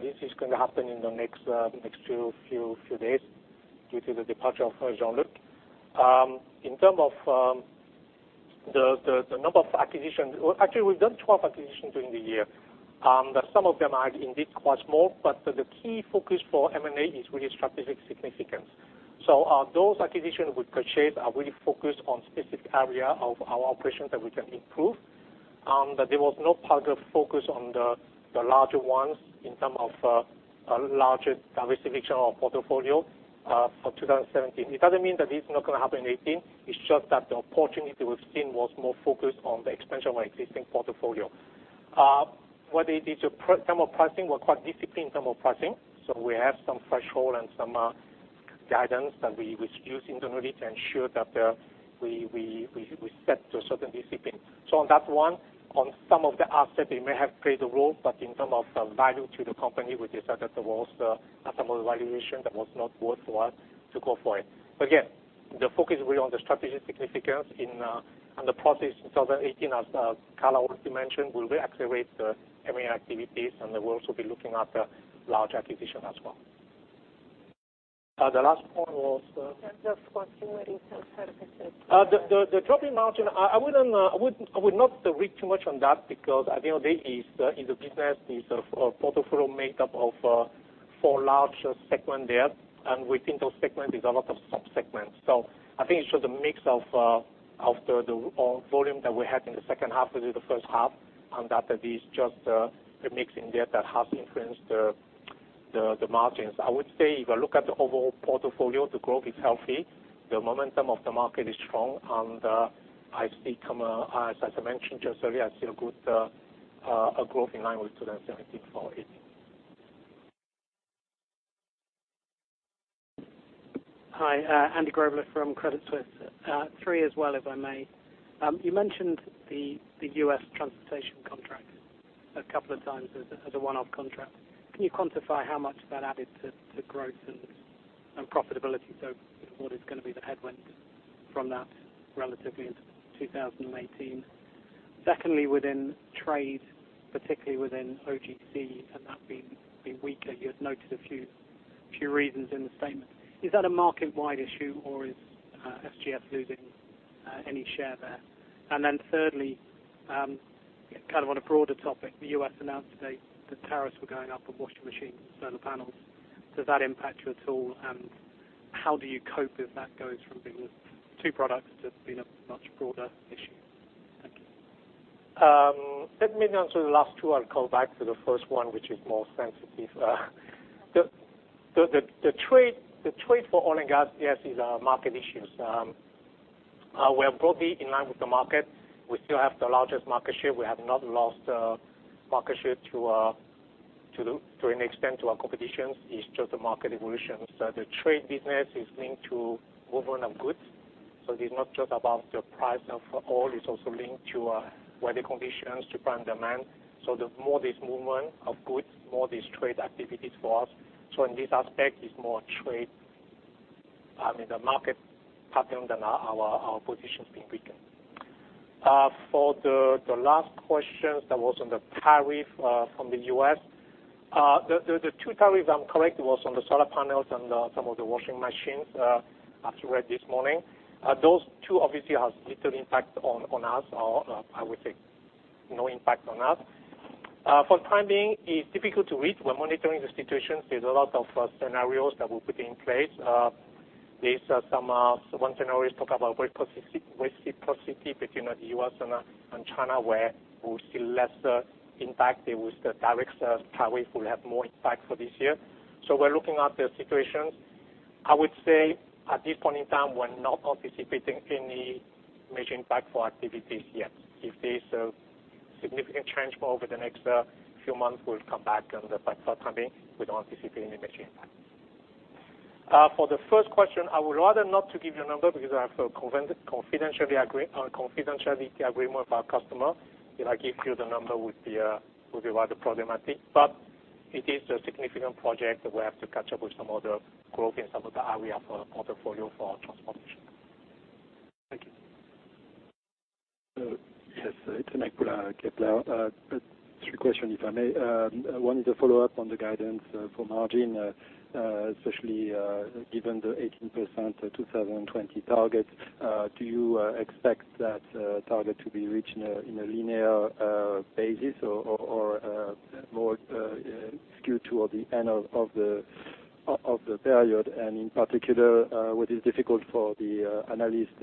This is going to happen in the next few days due to the departure of Jean-Luc. In terms of the number of acquisitions, actually, we've done 12 acquisitions during the year. Some of them are indeed quite small, but the key focus for M&A is really strategic significance. Those acquisitions we've achieved are really focused on specific areas of our operations that we can improve. There was no particular focus on the larger ones in terms of a larger diversification of portfolio for 2017. It doesn't mean that it's not going to happen in 2018. It's just that the opportunity we've seen was more focused on the expansion of our existing portfolio. In terms of pricing, we're quite disciplined in terms of pricing. We have some threshold and some Guidance that we use internally to ensure that we set a certain discipline. On that one, on some of the assets, they may have played a role, in terms of the value to the company, we decided there was some valuation that was not worth for us to go for it. Again, the focus will be on the strategic significance and the process in 2018, as Carla also mentioned, we will accelerate the M&A activities, and we will also be looking at large acquisition as well. In terms of washing machines and. The dropping margin, I would not read too much on that because at the end of the day, it's a business. It's a portfolio made up of four large segments there, and within those segments is a lot of sub-segments. I think it shows the mix of the volume that we had in the second half versus the first half, and that is just a mix in there that has influenced the margins. I would say if I look at the overall portfolio, the growth is healthy. The momentum of the market is strong, and as I mentioned just earlier, I see a good growth in line with 2017 for 2018. Hi, Andy Grobler from Credit Suisse. Three as well, if I may. You mentioned the U.S. Transportation contract a couple of times as a one-off contract. Can you quantify how much that added to growth and profitability? What is going to be the headwind from that relatively into 2018? Secondly, within trade, particularly within OGC, has that been weaker? You had noted a few reasons in the statement. Is that a market-wide issue, or is SGS losing any share there? Thirdly, kind of on a broader topic, the U.S. announced today that tariffs were going up on washing machines and solar panels. Does that impact you at all, and how do you cope as that goes from being two products to being a much broader issue? Thank you. Let me answer the last two. I'll call back to the first one, which is more sensitive. The trade for oil and gas, yes, is market issues. We are broadly in line with the market. We still have the largest market share. We have not lost market share to an extent to our competitions. It's just the market evolution. The trade business is linked to movement of goods. It's not just about the price of oil, it's also linked to weather conditions, to prime demand. The more there's movement of goods, more there's trade activities for us. In this aspect, it's more trade, I mean, the market pattern than our positions being weakened. For the last questions that was on the tariff from the U.S., the two tariffs, if I'm correct, was on the solar panels and some of the washing machines, I've read this morning. Those two obviously have little impact on us, or I would say no impact on us. For the time being, it's difficult to read. We're monitoring the situation. There are a lot of scenarios that we're putting in place. There is some, one can always talk about reciprocity between the U.S. and China, where we will see less impact. The direct tariff will have more impact for this year. We're looking at the situations. I would say at this point in time, we're not anticipating any major impact for activities yet. If there's a significant change over the next few months, we'll come back, but for the time being, we don't anticipate any major impact. For the first question, I would rather not to give you a number because I have a confidentiality agreement with our customer. If I give you the number, it would be rather problematic, but it is a significant project that we have to catch up with some of the growth in some of the area for portfolio for transformation. Thank you. Yes. It's Nick Pula, Kepler. Three questions, if I may. One is a follow-up on the guidance for margin, especially given the 18% 2020 target. Do you expect that target to be reached in a linear basis or more skewed toward the end of the period? In particular, what is difficult for the analyst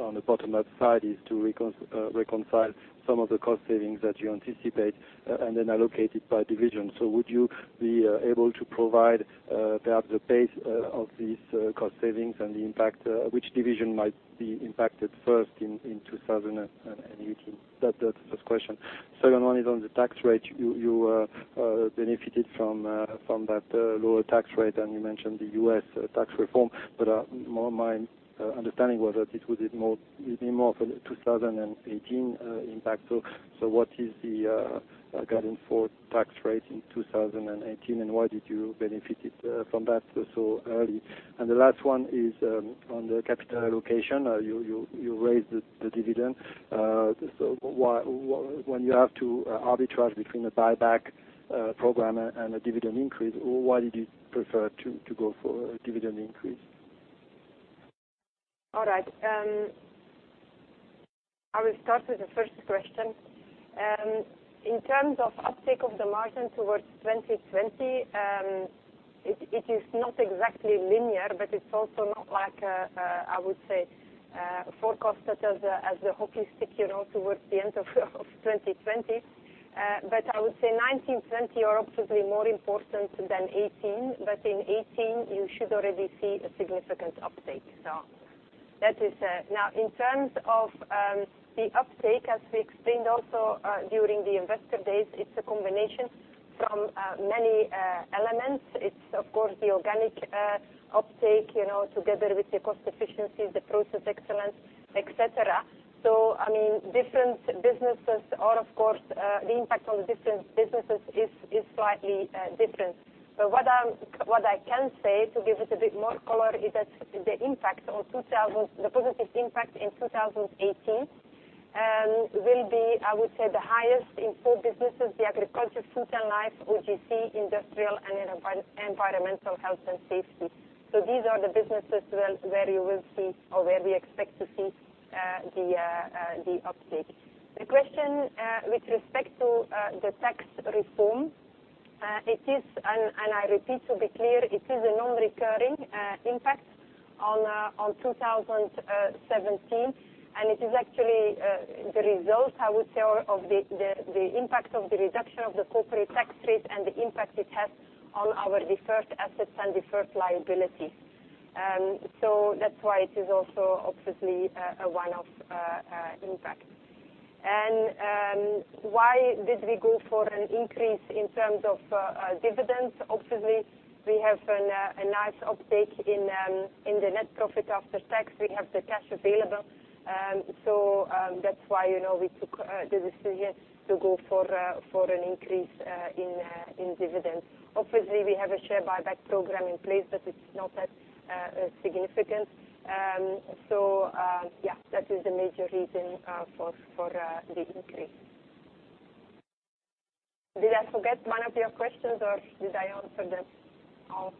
on the bottom-up side is to reconcile some of the cost savings that you anticipate and then allocate it by division. Would you be able to provide perhaps the pace of these cost savings and the impact, which division might be impacted first in 2018? That's the first question. Second one is on the tax rate. You benefited from that lower tax rate, and you mentioned the U.S. tax reform, but more my understanding was that it would be more of a 2018 impact. What is the guidance for tax rate in 2018, and why did you benefit from that so early? The last one is on the capital allocation. You raised the dividend. When you have to arbitrage between a buyback program and a dividend increase, why did you prefer to go for a dividend increase? All right. I will start with the first question. In terms of uptake of the margin towards 2020, it is not exactly linear, but it's also not like a, I would say, forecast that as the hockey stick towards the end of 2020. I would say 2019, 2020 are obviously more important than 2018. In 2018, you should already see a significant uptake. That is it. Now, in terms of the uptake, as we explained also during the investor days, it's a combination from many elements. It's, of course, the organic uptake, together with the cost efficiency, the process excellence, et cetera. Different businesses are, of course, the impact on the different businesses is slightly different. What I can say to give it a bit more color is that the positive impact in 2018 will be, I would say, the highest in four businesses, the Agriculture, Food and Life, OGC, industrial, and environmental health and safety. These are the businesses where you will see or where we expect to see the uptake. The question with respect to the tax reform, and I repeat to be clear, it is a non-recurring impact on 2017, and it is actually the result, I would say, or the impact of the reduction of the corporate tax rate and the impact it has on our deferred assets and deferred liabilities. That's why it is also obviously a one-off impact. Why did we go for an increase in terms of dividends? Obviously, we have a nice uptake in the net profit after tax. We have the cash available. That's why we took the decision to go for an increase in dividends. Obviously, we have a share buyback program in place, it's not that significant. Yeah, that is the major reason for the increase. Did I forget one of your questions or did I answer them all?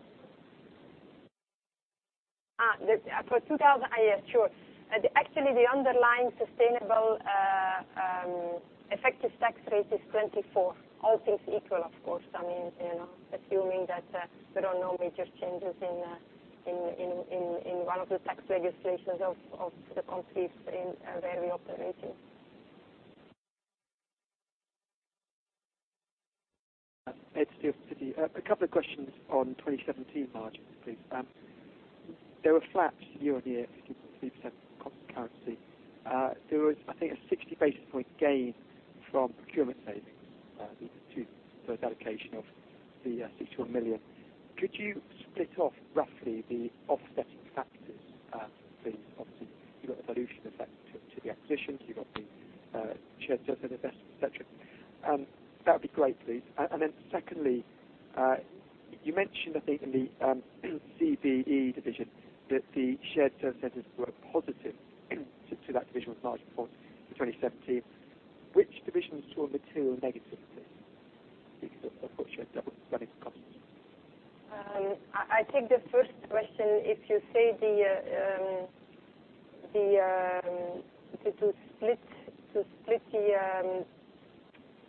Yes, sure. Actually, the underlying sustainable effective tax rate is 24. All things equal, of course. Assuming that there are no major changes in one of the tax legislations of the countries where we operate in. Ed Steel, Citi. A couple of questions on 2017 margins, please. They were flat year-on-year, 16.3% constant currency. There was, I think, a 60 basis point gain from procurement savings, the dedication of the 600 million. Could you split off roughly the offsetting factors, please? Obviously, you've got the dilution effect to the acquisitions, you've got the shared service center investments, et cetera. That'd be great, please. Secondly, you mentioned, I think, in the CBE division that the shared service centers were a positive to that division's margin for 2017. Which divisions saw material negativity because of course you had double running costs? I take the first question. If you say to split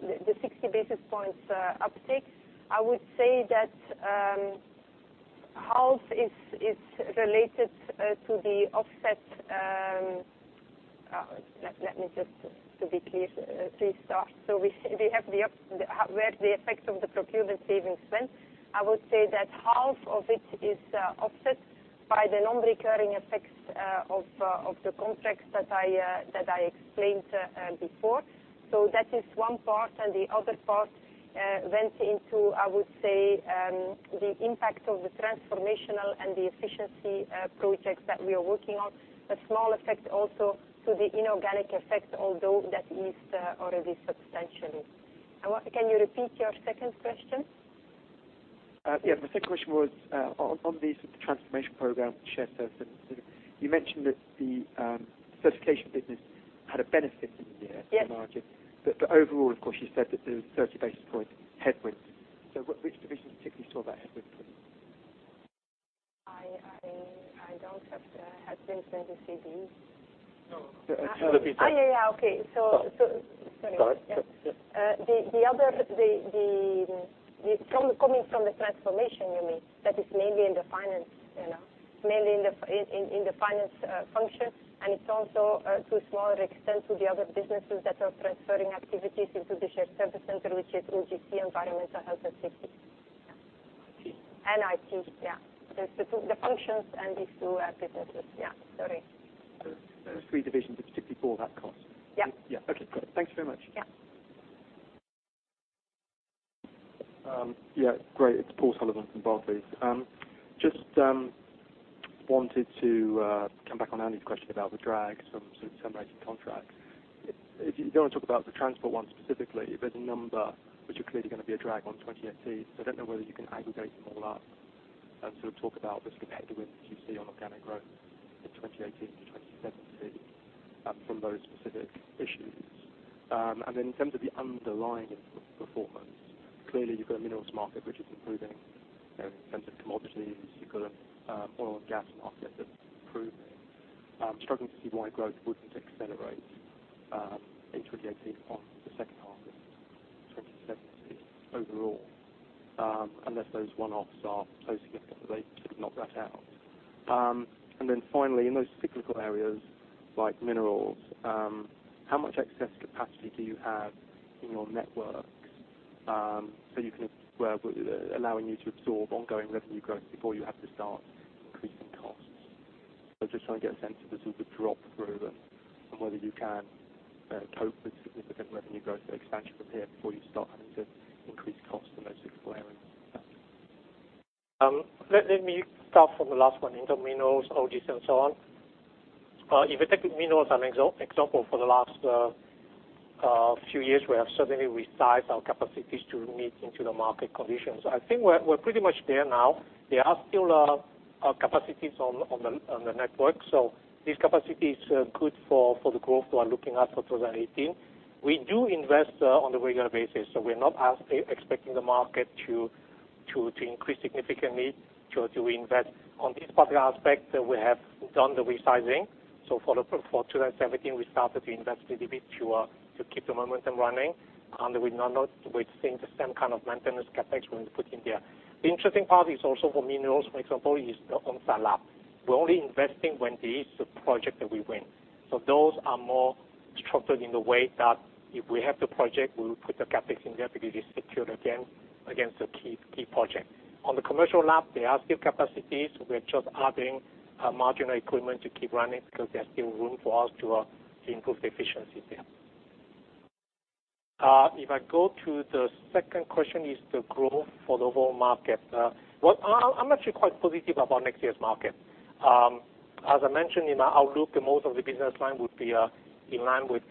the 60 basis points uptake, I would say that half is related to the offset. Let me just, to be clear, restart. Where the effect of the procurement savings went, I would say that half of it is offset by the non-recurring effects of the contracts that I explained before. That is one part, the other part went into, I would say, the impact of the transformational and the efficiency projects that we are working on. A small effect also to the inorganic effect. Can you repeat your second question? Yeah. My second question was on the transformation program, the shared service center. You mentioned that the certification business had a benefit in the margin. Yes. Overall, of course, you said that there was 30 basis points headwind. Which divisions particularly saw that headwind coming? I don't have the headwind in the CBE. No. Yeah. Okay. Sorry. Sorry. Coming from the transformation, you mean. That is mainly in the finance function, and it's also to a smaller extent to the other businesses that are transferring activities into the shared service center, which is OGC, Environmental Health and Safety. IT. IT, yeah. The functions and these two businesses. Yeah, sorry. Those three divisions are particularly for that cost? Yeah. Yeah. Okay, great. Thank you very much. Yeah. Yeah, great. It's Paul Sullivan from Barclays. Just wanted to come back on Andy's question about the drag from some existing contracts. If you want to talk about the transport one specifically, there's a number which are clearly going to be a drag on 2018. I don't know whether you can aggregate them all up and sort of talk about the competitive wins that you see on organic growth in 2018 to 2017 from those specific issues. Then in terms of the underlying performance, clearly you've got a minerals market which is improving in terms of commodities. You've got an oil and gas market that's improving. I'm struggling to see why growth wouldn't accelerate in 2018 on the second half of 2017 overall, unless those one-offs are so significant that they could knock that out. Then finally, in those cyclical areas like minerals, how much excess capacity do you have in your network? You can, well, allowing you to absorb ongoing revenue growth before you have to start increasing costs. I'm just trying to get a sense of the sort of drop through them and whether you can cope with significant revenue growth expansion from here before you start having to increase costs in those areas. Let me start from the last one in terms of minerals, OGs, and so on. If you take minerals as an example, for the last few years, we have certainly resized our capacities to meet into the market conditions. I think we're pretty much there now. There are still capacities on the network. This capacity is good for the growth we are looking at for 2018. We do invest on a regular basis, we are not expecting the market to increase significantly to invest. On this particular aspect, we have done the resizing. For 2017, we started to invest a little bit to keep the momentum running, and we are not witnessing the same kind of maintenance CapEx we put in there. The interesting part is also for minerals, for example, is on lab. We're only investing when there is a project that we win. Those are more structured in the way that if we have the project, we will put the CapEx in there because it is secured against the key project. On the commercial lab, there are still capacities. We are just adding marginal equipment to keep running because there's still room for us to improve the efficiency there. If I go to the second question is the growth for the whole market. Well, I'm actually quite positive about next year's market. As I mentioned in my outlook, most of the business line would be in line with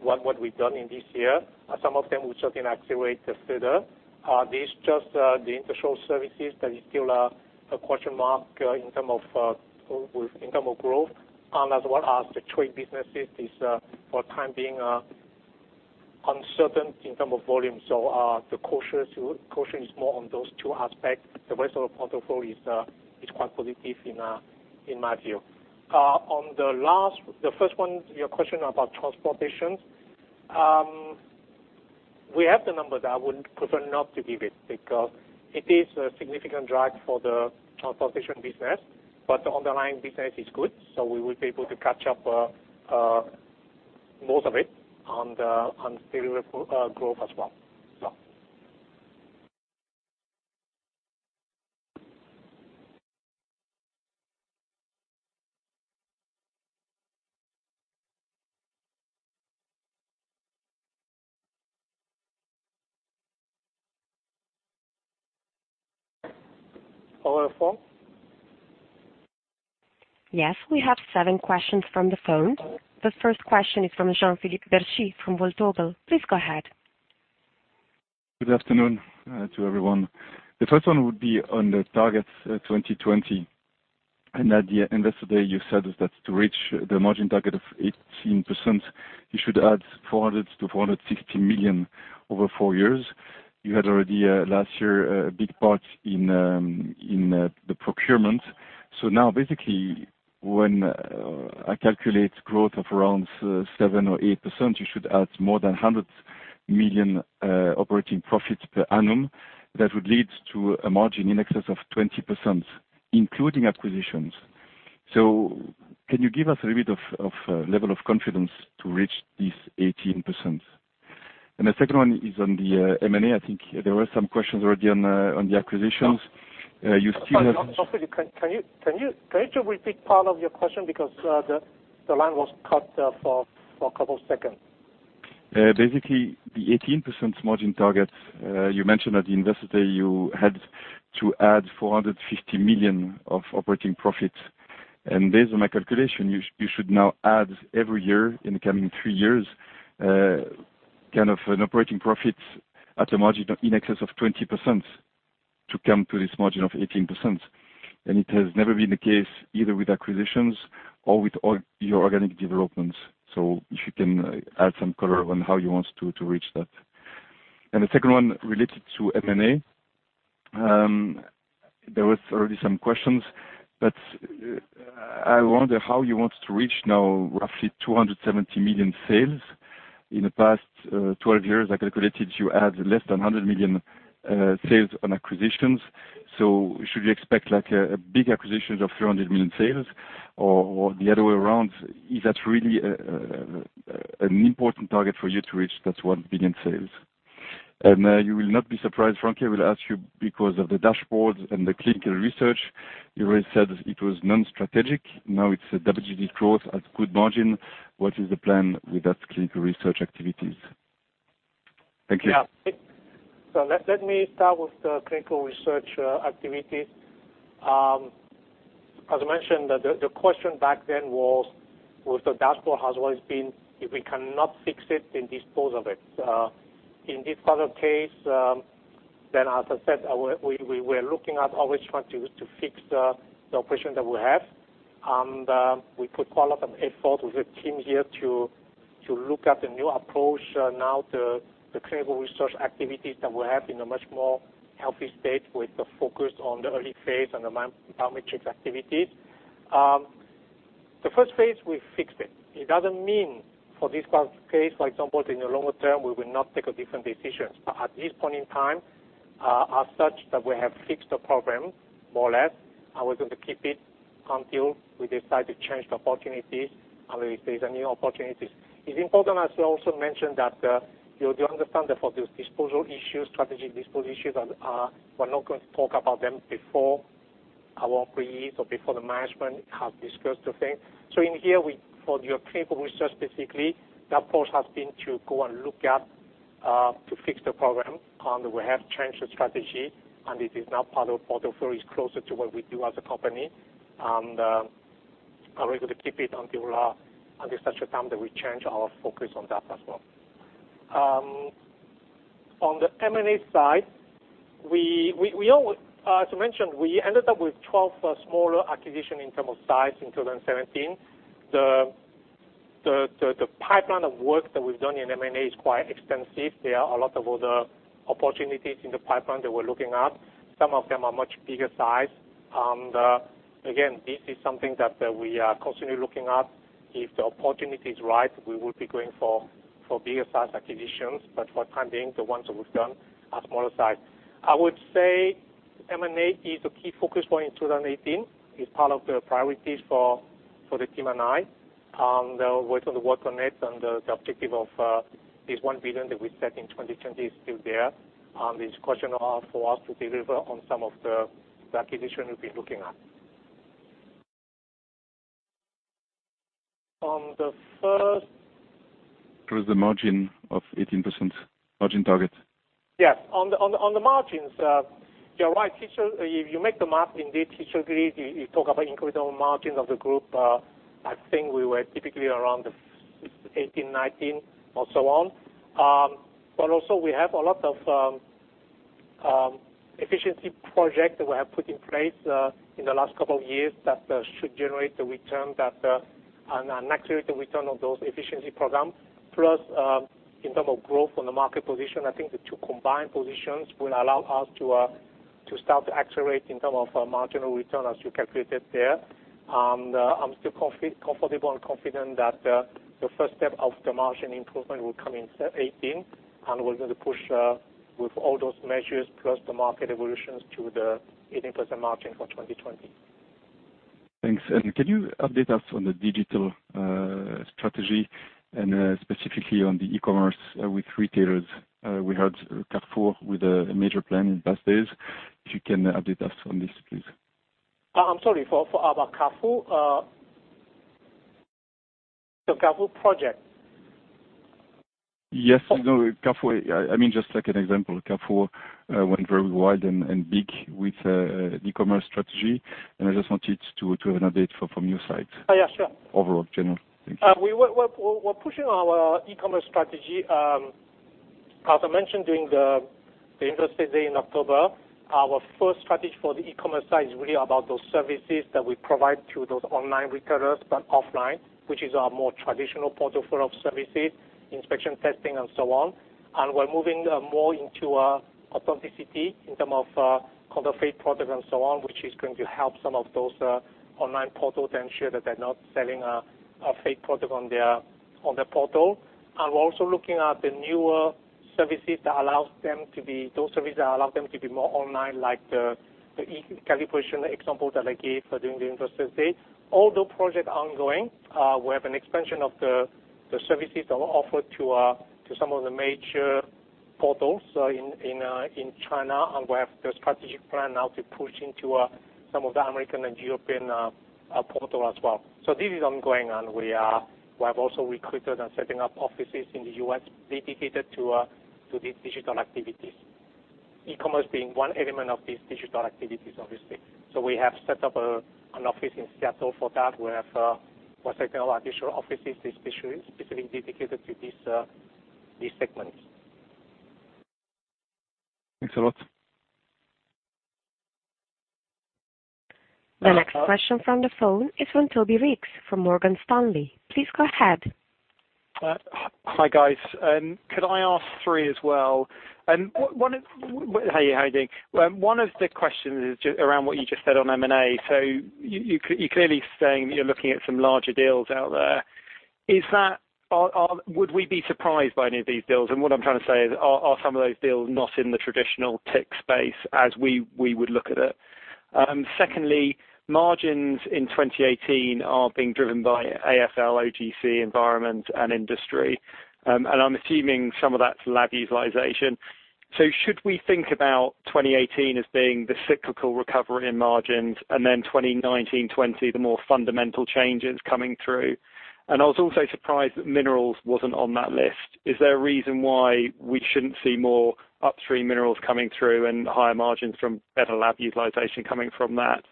what we've done in this year. Some of them will certainly accelerate further. This just the intershore services, there is still a question mark in terms of growth and as well as the trade businesses is for time being uncertain in terms of volume. The caution is more on those two aspects. The rest of the portfolio is quite positive in my view. On the first one, your question about Transportation. We have the numbers. I would prefer not to give it because it is a significant drag for the Transportation business, but the underlying business is good, so we will be able to catch up most of it on the stable growth as well. Yeah. Over the phone? Yes, we have seven questions from the phone. The first question is from Jean-Philippe Bertschy from Vontobel. Please go ahead. Good afternoon to everyone. The first one would be on the targets 2020 and that Investor Day you said that to reach the margin target of 18%, you should add 400 million-460 million over 4 years. You had already last year a big part in the procurement. Now basically when I calculate growth of around 7% or 8%, you should add more than 100 million operating profits per annum. That would lead to a margin in excess of 20%, including acquisitions. Can you give us a bit of level of confidence to reach this 18%? The second one is on the M&A. I think there were some questions already on the acquisitions. You still have- Sorry, can you repeat part of your question because the line was cut for a couple seconds. Basically, the 18% margin target, you mentioned at the Investor Day you had to add 450 million of operating profits. Based on my calculation, you should now add every year in the coming 3 years, kind of an operating profit at a margin in excess of 20% to come to this margin of 18%. It has never been the case either with acquisitions or with your organic developments. If you can add some color on how you want to reach that. The second one related to M&A. There was already some questions, but I wonder how you want to reach now roughly 270 million sales. In the past 12 years, I calculated you had less than 100 million sales on acquisitions. Should we expect like a big acquisition of 300 million sales or the other way around? Is that really an important target for you to reach that 1 billion sales? You will not be surprised, Frank, I will ask you because of the dashboards and the clinical research. You already said it was non-strategic. Now it's a double-digit growth at good margin. What is the plan with that clinical research activities? Thank you. Yeah. Let me start with the clinical research activities. As mentioned, the question back then was with the dashboard has always been, if we cannot fix it, then dispose of it. In this current case, as I said, we were looking at always trying to fix the operation that we have, and we put quite a lot of effort with the team here to look at the new approach. Now the clinical research activities that we have in a much more healthy state with the focus on the early phase and the biometric activities. The phase I, we fixed it. It doesn't mean for this current case, for example, in the longer term, we will not take a different decision. At this point in time As such that we have fixed the program more or less, we're going to keep it until we decide to change the opportunities and we face new opportunities. It's important, as I also mentioned, that you understand that for those strategic disposal issues, we're not going to talk about them before our employees or before the management has discussed the thing. In here, for your clinical research, basically, the approach has been to go and look up to fix the program, we have changed the strategy, and it is now part of the portfolio, is closer to what we do as a company. We're going to keep it until such a time that we change our focus on that as well. On the M&A side, as I mentioned, we ended up with 12 smaller acquisitions in terms of size in 2017. The pipeline of work that we've done in M&A is quite extensive. There are a lot of other opportunities in the pipeline that we're looking at. Some of them are much bigger size. Again, this is something that we are constantly looking at. If the opportunity is right, we will be going for bigger size acquisitions, but for the time being, the ones that we've done are smaller size. I would say M&A is a key focus for in 2018. It's part of the priorities for the team and I. We're going to work on it, the objective of this 1 billion that we set in 2020 is still there, it's a question of for us to deliver on some of the acquisitions we've been looking at. On the first- Through the margin of 18% margin target. Yes. On the margins, you're right. If you make the math, indeed, it should be. You talk about incremental margin of the group. I think we were typically around 18, 19, or so on. Also we have a lot of efficiency projects that we have put in place in the last couple of years that should generate an accurate return of those efficiency programs. Plus, in terms of growth on the market position, I think the two combined positions will allow us to start to accelerate in terms of our marginal return, as you calculated there. I'm still comfortable and confident that the first step of the margin improvement will come in 2018, and we're going to push with all those measures plus the market evolutions to the 18% margin for 2020. Thanks. Can you update us on the digital strategy and specifically on the e-commerce with retailers? We heard Carrefour with a major plan in past days. If you can update us on this, please. I'm sorry. About Carrefour? The Carrefour project. Yes. Carrefour. Just like an example, Carrefour went very wide and big with e-commerce strategy. I just wanted to have an update from your side. Yeah, sure. Overall, general. Thank you. We're pushing our e-commerce strategy. As I mentioned during the Investors Day in October, our first strategy for the e-commerce side is really about those services that we provide to those online retailers, but offline, which is our more traditional portfolio of services, inspection, testing, and so on. We're moving more into authenticity in terms of counterfeit products and so on, which is going to help some of those online portals ensure that they're not selling fake products on their portal. We're also looking at the newer services that allow them to be more online, like the e-calibration example that I gave during the Investors Day. All those projects are ongoing. We have an expansion of the services that we offer to some of the major portals in China. We have the strategic plan now to push into some of the American and European portals as well. This is ongoing, and we have also recruited and setting up offices in the U.S. dedicated to these digital activities. E-commerce being one element of these digital activities, obviously. We have set up an office in Seattle for that. We have set up additional offices specifically dedicated to these segments. Thanks a lot. The next question from the phone is from Toby Reeks from Morgan Stanley. Please go ahead. Hi, guys. Could I ask three as well? How are you doing? One of the questions is around what you just said on M&A. You're clearly saying that you're looking at some larger deals out there. Would we be surprised by any of these deals? What I'm trying to say is, are some of those deals not in the traditional TIC space as we would look at it? Secondly, margins in 2018 are being driven by AFL, OGC, environment, and industry. I'm assuming some of that's lab utilization. Should we think about 2018 as being the cyclical recovery in margins and then 2019, 2020, the more fundamental changes coming through? I was also surprised that minerals wasn't on that list. Is there a reason why we shouldn't see more upstream minerals coming through and higher margins from better lab utilization coming from that?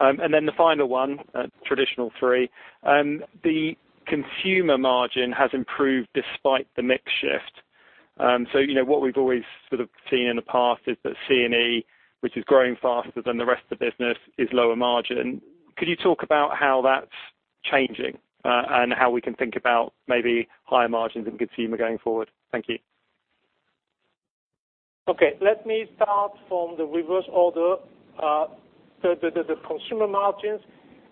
The final one, traditional three. The consumer margin has improved despite the mix shift. What we've always sort of seen in the past is that C&E, which is growing faster than the rest of the business, is lower margin. Could you talk about how that's changing? How we can think about maybe higher margins in consumer going forward? Thank you. Okay. Let me start from the reverse order. The consumer margins.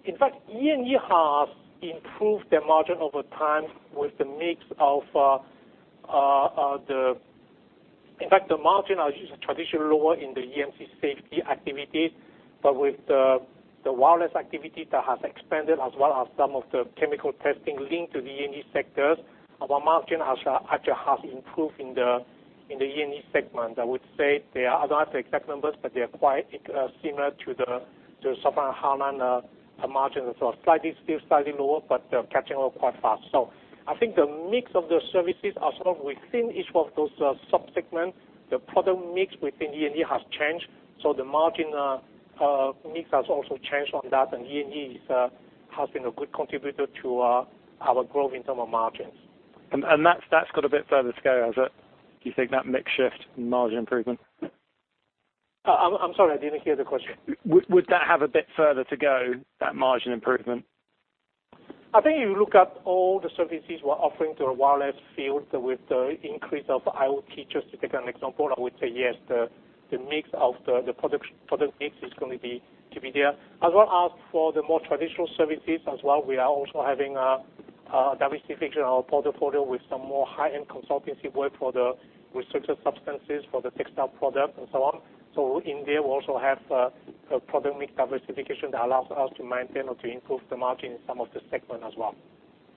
In fact, E&E has improved their margin over time. In fact, the margin is traditionally lower in the E&E safety activities, but with the wireless activity that has expanded as well as some of the chemical testing linked to the E&E sectors, our margin actually has improved in the E&E segment. I don't have the exact numbers, but they are quite similar to some of the margin. Slightly still lower, but they're catching up quite fast. I think the mix of the services as well within each of those sub-segments, the product mix within E&E has changed, the margin mix has also changed on that, and E&E has been a good contributor to our growth in terms of margins. That's got a bit further to go, has it? Do you think that mix shift and margin improvement? I'm sorry, I didn't hear the question. Would that have a bit further to go, that margin improvement? I think if you look at all the services we're offering to the wireless field with the increase of IoT, just to take an example, I would say yes, the product mix is going to be there. As well as for the more traditional services as well. We are also having a diversification of our portfolio with some more high-end consultancy work for the restricted substances for the textile product and so on. In there, we also have a product mix diversification that allows us to maintain or to improve the margin in some of the segments as well.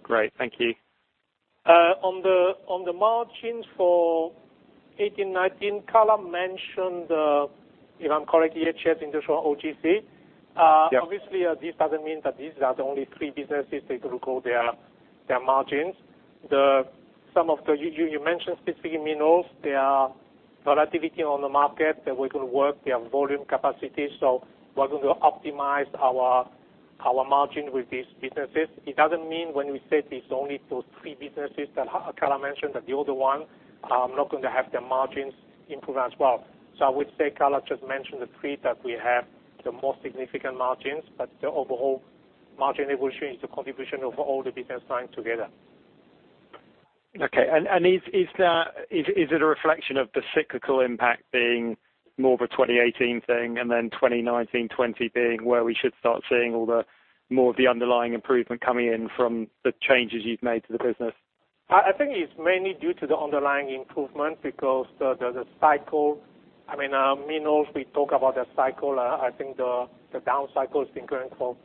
Great. Thank you. On the margins for 2018, 2019, Carla mentioned, if I'm correct, EHS, Industrial, OGC. Yeah. Obviously, this doesn't mean that these are the only three businesses that will grow their margins. You mentioned specifically minerals, they are volatility on the market, and we could work their volume capacity. We're going to optimize our margin with these businesses. It doesn't mean when we said it's only those three businesses that Carla mentioned, that the other ones are not going to have their margins improve as well. I would say Carla just mentioned the three that we have the most significant margins, but the overall margin evolution is the contribution of all the business lines together. Okay. Is it a reflection of the cyclical impact being more of a 2018 thing, then 2019, 2020 being where we should start seeing all the more of the underlying improvement coming in from the changes you've made to the business? I think it's mainly due to the underlying improvement because the cycle. Minerals, we talk about the cycle. I think the down cycle has been going for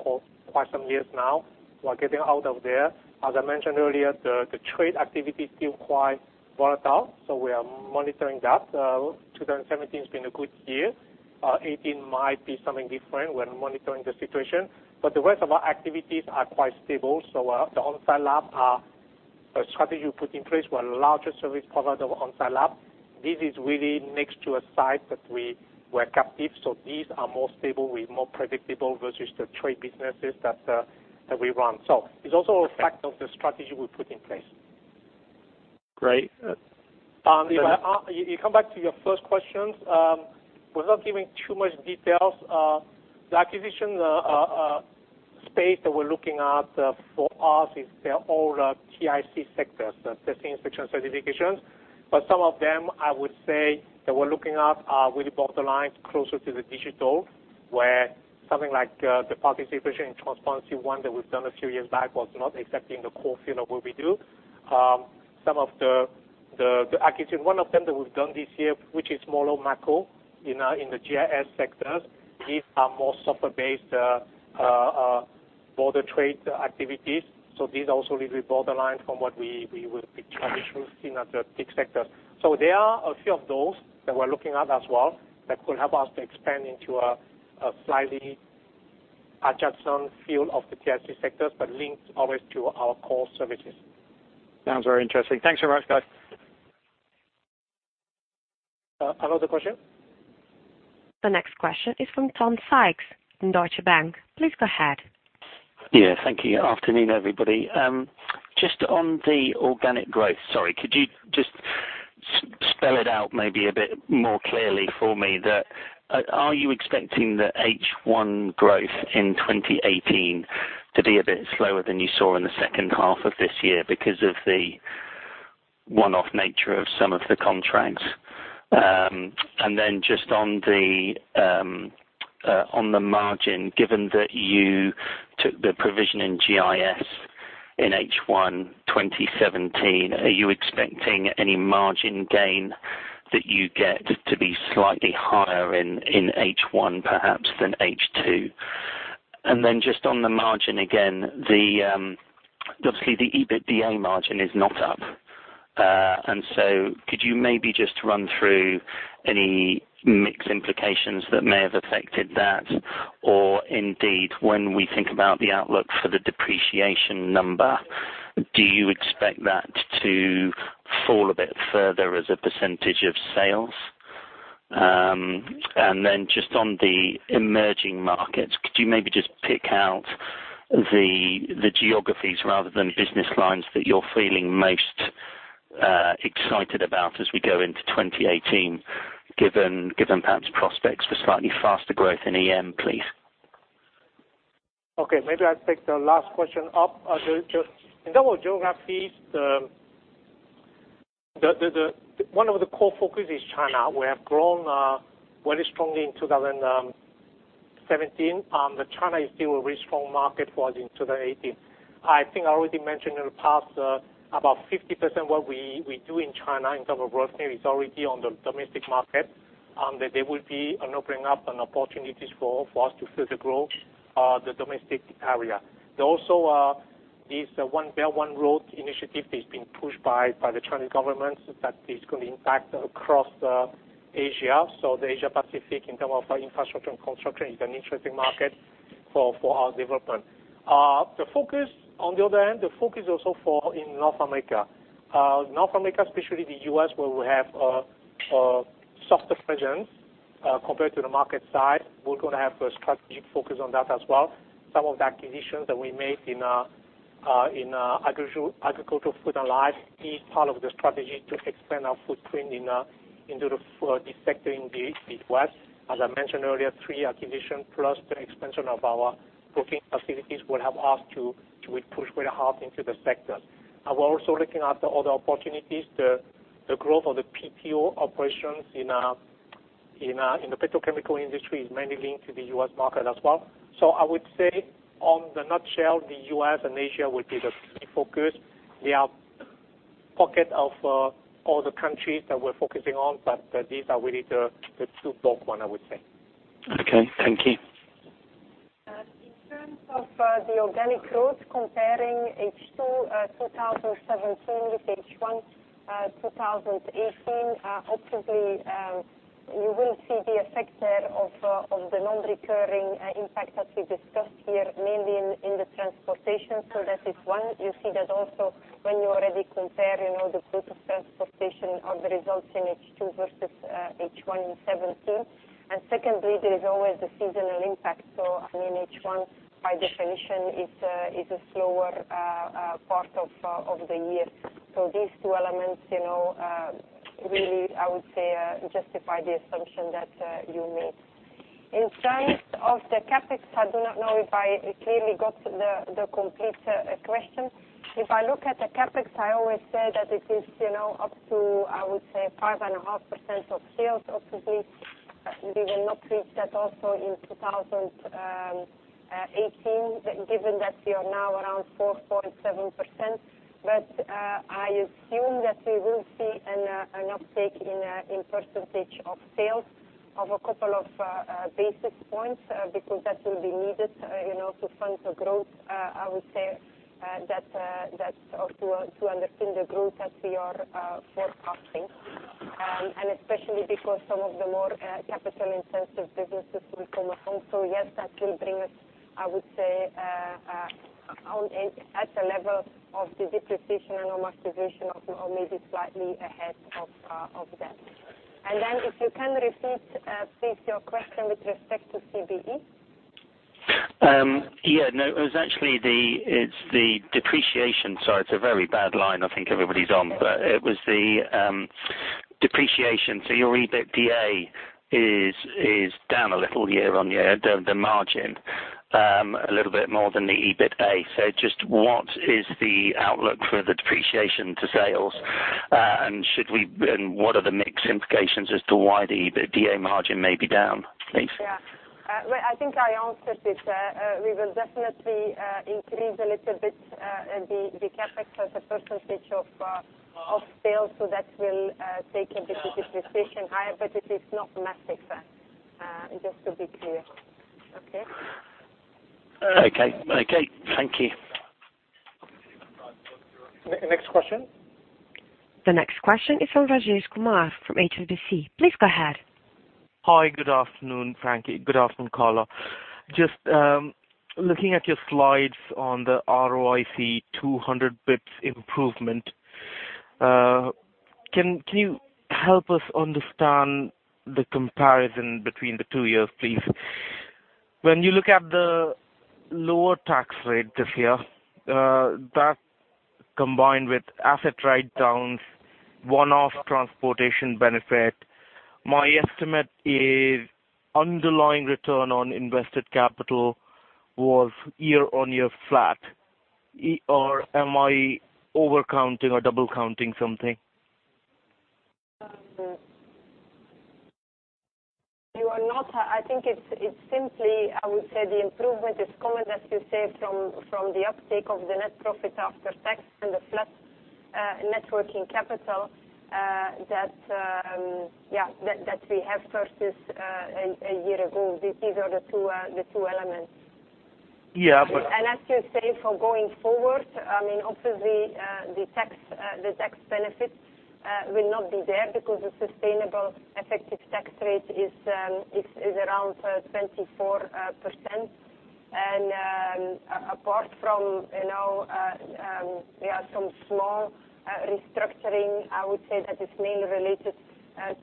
quite some years now. We're getting out of there. As I mentioned earlier, the trade activity is still quite volatile, so we are monitoring that. 2017 has been a good year. 2018 might be something different. We're monitoring the situation, but the rest of our activities are quite stable. The on-site lab strategy we put in place, we're the largest service provider of on-site lab. This is really next to a site that we're captive. These are more stable, with more predictable versus the trade businesses that we run. It's also a fact of the strategy we put in place. Great. To come back to your first questions. Without giving too much details, the acquisition space that we're looking at for us is all the TIC sectors, the testing, inspection, certifications. Some of them, I would say, that we're looking at are really borderline closer to the digital, where something like the participation in Transparency-One that we've done a few years back was not exactly in the core field of what we do. One of them that we've done this year, which is MoleMab, in the GIS sectors. These are more software-based border trade activities. These also really borderline from what we would traditionally see in the TIC sectors. There are a few of those that we're looking at as well that could help us to expand into a slightly adjacent field of the TIC sectors, but linked always to our core services. Sounds very interesting. Thanks very much, guys. Another question? The next question is from Tom Sykes from Deutsche Bank. Please go ahead. Yeah. Thank you. Afternoon, everybody. Just on the organic growth, sorry, could you just spell it out maybe a bit more clearly for me? Are you expecting the H1 growth in 2018 to be a bit slower than you saw in the second half of this year because of the one-off nature of some of the contracts? Just on the margin, given that you took the provision in GIS in H1 2017, are you expecting any margin gain that you get to be slightly higher in H1, perhaps, than H2? Just on the margin, again, obviously, the EBITDA margin is not up. Could you maybe just run through any mix implications that may have affected that? Indeed, when we think about the outlook for the depreciation number, do you expect that to fall a bit further as a % of sales? just on the emerging markets, could you maybe just pick out the geographies rather than business lines that you're feeling most excited about as we go into 2018, given perhaps prospects for slightly faster growth in EM, please? Okay, maybe I'll take the last question up. In terms of geographies, one of the core focuses is China. We have grown very strongly in 2017. China is still a very strong market for us in 2018. I think I already mentioned in the past, about 50% what we do in China in terms of revenue is already on the domestic market, and that they will be opening up opportunities for us to further grow the domestic area. There also is the One Belt One Road initiative that is being pushed by the Chinese government, that is going to impact across Asia. The Asia Pacific, in terms of infrastructure and construction, is an interesting market for our development. On the other hand, the focus also for in North America. North America, especially the U.S., where we have a softer presence compared to the market side. We're going to have a strategic focus on that as well. Some of the acquisitions that we made in Agriculture, Food and Life is part of the strategy to expand our footprint into this sector in the Midwest. As I mentioned earlier, three acquisitions plus the expansion of our protein facilities will help us to push very hard into the sector. We're also looking at the other opportunities. The growth of the PTO operations in the petrochemical industry is mainly linked to the U.S. market as well. I would say in a nutshell, the U.S. and Asia will be the key focus. There are pockets of other countries that we're focusing on, but these are really the two big ones, I would say. Okay. Thank you. In terms of the organic growth comparing H2 2017 with H1 2018, obviously, you will see the effect there of the non-recurring impact that we discussed here, mainly in the Transportation. That is one. You see that also when you already compare the group of Transportation of the results in H2 versus H1 in 2017. Secondly, there is always the seasonal impact. I mean, H1, by definition, is a slower part of the year. These two elements really, I would say, justify the assumption that you make. In terms of the CapEx, I do not know if I clearly got the complete question. If I look at the CapEx, I always say that it is up to, I would say, 5.5% of sales. Obviously, we will not reach that also in 2018, given that we are now around 4.7%. I assume that we will see an uptake in percentage of sales of a couple of basis points because that will be needed to fund the growth, I would say, to understand the growth that we are forecasting, and especially because some of the more capital-intensive businesses will come on board. Yes, that will bring us, I would say, at the level of the depreciation and amortization or maybe slightly ahead of that. Then if you can repeat, please, your question with respect to CBE. No, it was actually the depreciation. Sorry, it's a very bad line, I think everybody's on. It was the depreciation. Your EBITDA is down a little year-on-year, the margin, a little bit more than the EBITA. Just what is the outlook for the depreciation to sales? What are the mix implications as to why the D&A margin may be down? Thanks. Well, I think I answered it. We will definitely increase a little bit the CapEx as a percentage of sales. That will take a bit of depreciation higher, but it is not massive, just to be clear. Okay? Okay. Thank you. Next question. The next question is from Rajesh Kumar from HSBC. Please go ahead. Hi, good afternoon, Frankie. Good afternoon, Carla. Just looking at your slides on the ROIC 200 basis points improvement. Can you help us understand the comparison between the two years, please? When you look at the lower tax rate this year, that combined with asset write-downs, one-off Transportation benefit, my estimate is underlying return on invested capital was year-on-year flat. Am I overcounting or double-counting something? You are not. I think it's simply, I would say the improvement is coming, as you said, from the uptake of the net profit after tax and the flat net working capital that we have versus a year ago. These are the two elements. Yeah, but- As you say, for going forward, I mean, obviously, the tax benefit will not be there because the sustainable effective tax rate is around 24%. Apart from, we have some small restructuring, I would say that is mainly related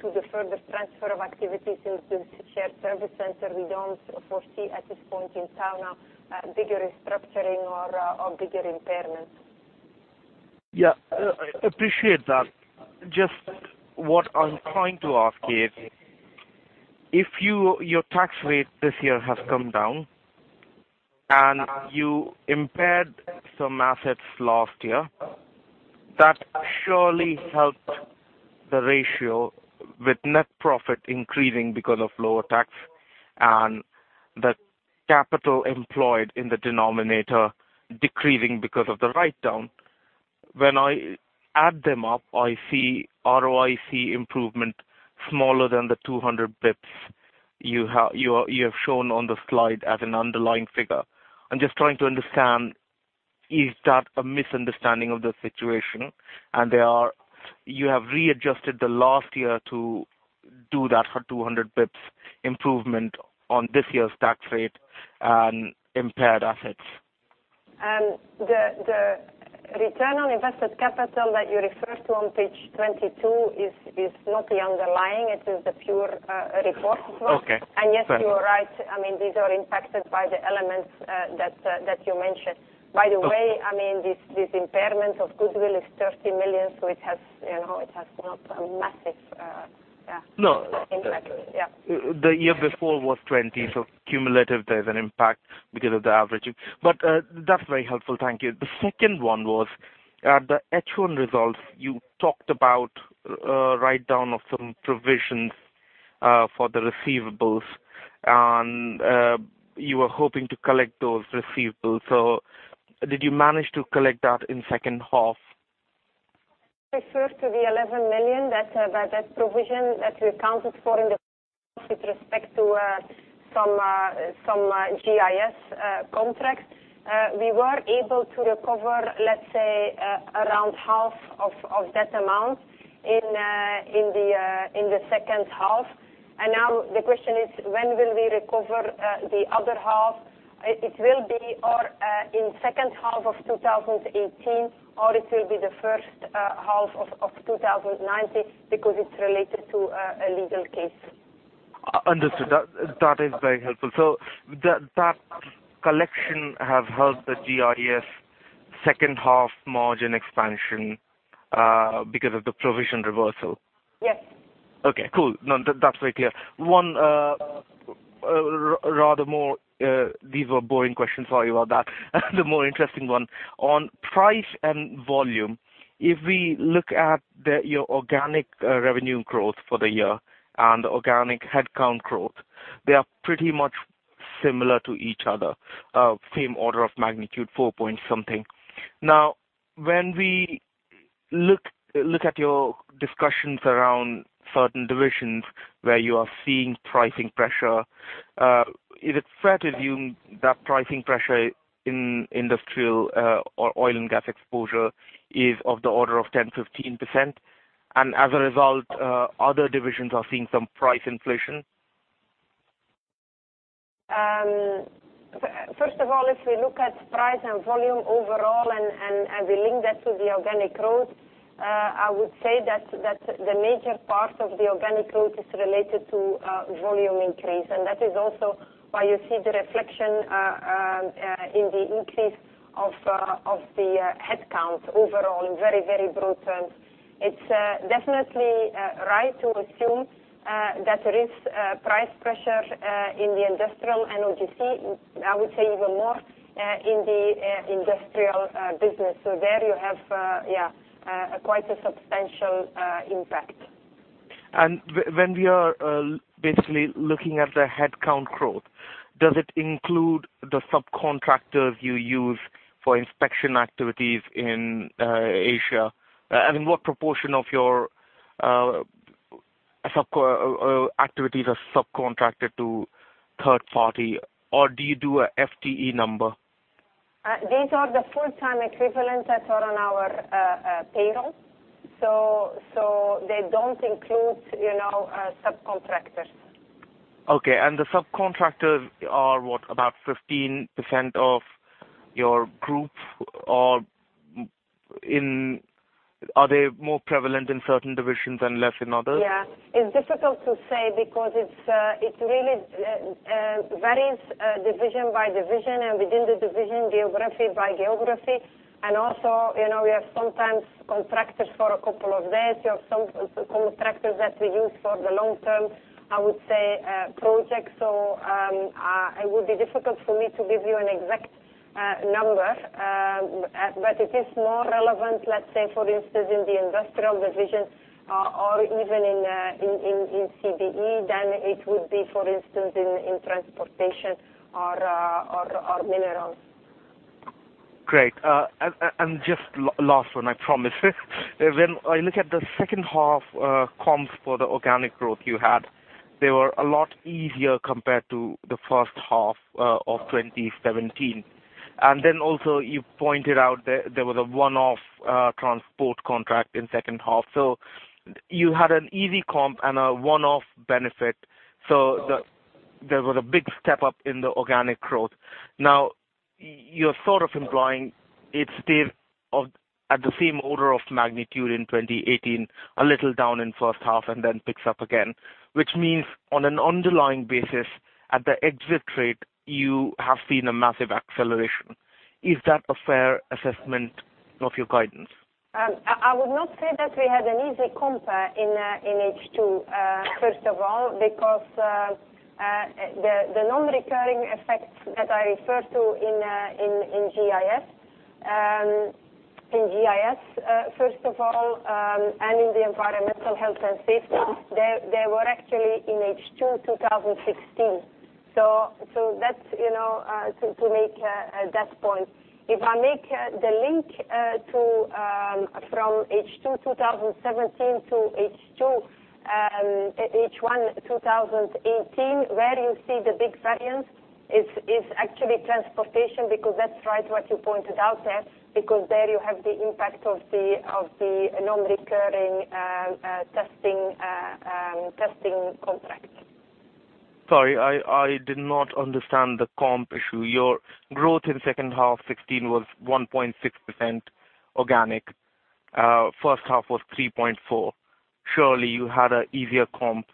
to the further transfer of activities into the shared service center. We don't foresee at this point in time a bigger restructuring or bigger impairment. Yeah. I appreciate that. Just what I'm trying to ask is, if your tax rate this year has come down and you impaired some assets last year, that surely helped the ratio with net profit increasing because of lower tax and the capital employed in the denominator decreasing because of the write-down. When I add them up, I see ROIC improvement smaller than the 200 bps you have shown on the slide as an underlying figure. I'm just trying to understand, is that a misunderstanding of the situation? You have readjusted the last year to do that for 200 bps improvement on this year's tax rate and impaired assets. The return on invested capital that you refer to on page 22 is not the underlying, it is the pure form. Okay, fair. Yes, you are right. These are impacted by the elements that you mentioned. By the way, this impairment of goodwill is 30 million, so it has not a massive impact. No. The year before was 20, so cumulative there's an impact because of the averaging. That's very helpful. Thank you. The second one was, at the H1 results, you talked about a write-down of some provisions for the receivables, and you were hoping to collect those receivables. Did you manage to collect that in second half? Refer to the 11 million, that provision that we accounted for in the with respect to some GIS contracts. We were able to recover, let's say, around half of that amount in the second half. Now the question is, when will we recover the other half? It will be or in second half of 2018, or it will be the first half of 2019 because it's related to a legal case. Understood. That is very helpful. That collection has helped the GIS second half margin expansion, because of the provision reversal? Yes. Okay, cool. No, that's very clear. These were boring questions for you about that. The more interesting one, on price and volume, if we look at your organic revenue growth for the year and organic headcount growth, they are pretty much similar to each other. Same order of magnitude, four point something. When we look at your discussions around certain divisions where you are seeing pricing pressure, is it fair to assume that pricing pressure in industrial or oil and gas exposure is of the order of 10%-15%? As a result, other divisions are seeing some price inflation? First of all, if we look at price and volume overall and we link that to the organic growth, I would say that the major part of the organic growth is related to volume increase, that is also why you see the reflection in the increase of the headcount overall, very, very broad terms. It's definitely right to assume that there is price pressure in the industrial and OGC, I would say even more in the industrial business. There you have quite a substantial impact. When we are basically looking at the headcount growth, does it include the subcontractors you use for inspection activities in Asia? What proportion of your activities are subcontracted to third-party, or do you do a FTE number? These are the full-time equivalents that are on our payroll. They don't include subcontractors. Okay. The subcontractors are what? About 15% of your group? Or are they more prevalent in certain divisions and less in others? Yeah. It's difficult to say because it really varies division by division, and within the division, geography by geography. Also, we have sometimes contractors for a couple of days. We have some contractors that we use for the long-term, I would say, projects. It would be difficult for me to give you an exact number. It is more relevant, let's say for instance, in the industrial division or even in CBE than it would be, for instance, in Transportation or minerals. Great. Just last one, I promise. When I look at the second half comps for the organic growth you had, they were a lot easier compared to the first half of 2017. Also you pointed out there was a one-off transport contract in second half. You had an easy comp and a one-off benefit. There was a big step-up in the organic growth. Now, you're sort of implying it's still at the same order of magnitude in 2018, a little down in first half and then picks up again, which means on an underlying basis at the exit rate, you have seen a massive acceleration. Is that a fair assessment of your guidance? I would not say that we had an easy compare in H2, first of all, because the non-recurring effects that I referred to in GIS, first of all, and in the environmental health and safety, they were actually in H2 2016. That's to make that point. If I make the link from H2 2017 to H1 2018, where you see the big variance is actually Transportation because that's right what you pointed out there, because there you have the impact of the non-recurring testing contract. Sorry, I did not understand the comp issue. Your growth in second half 2016 was 1.6% organic. First half was 3.4%. Surely you had an easier comp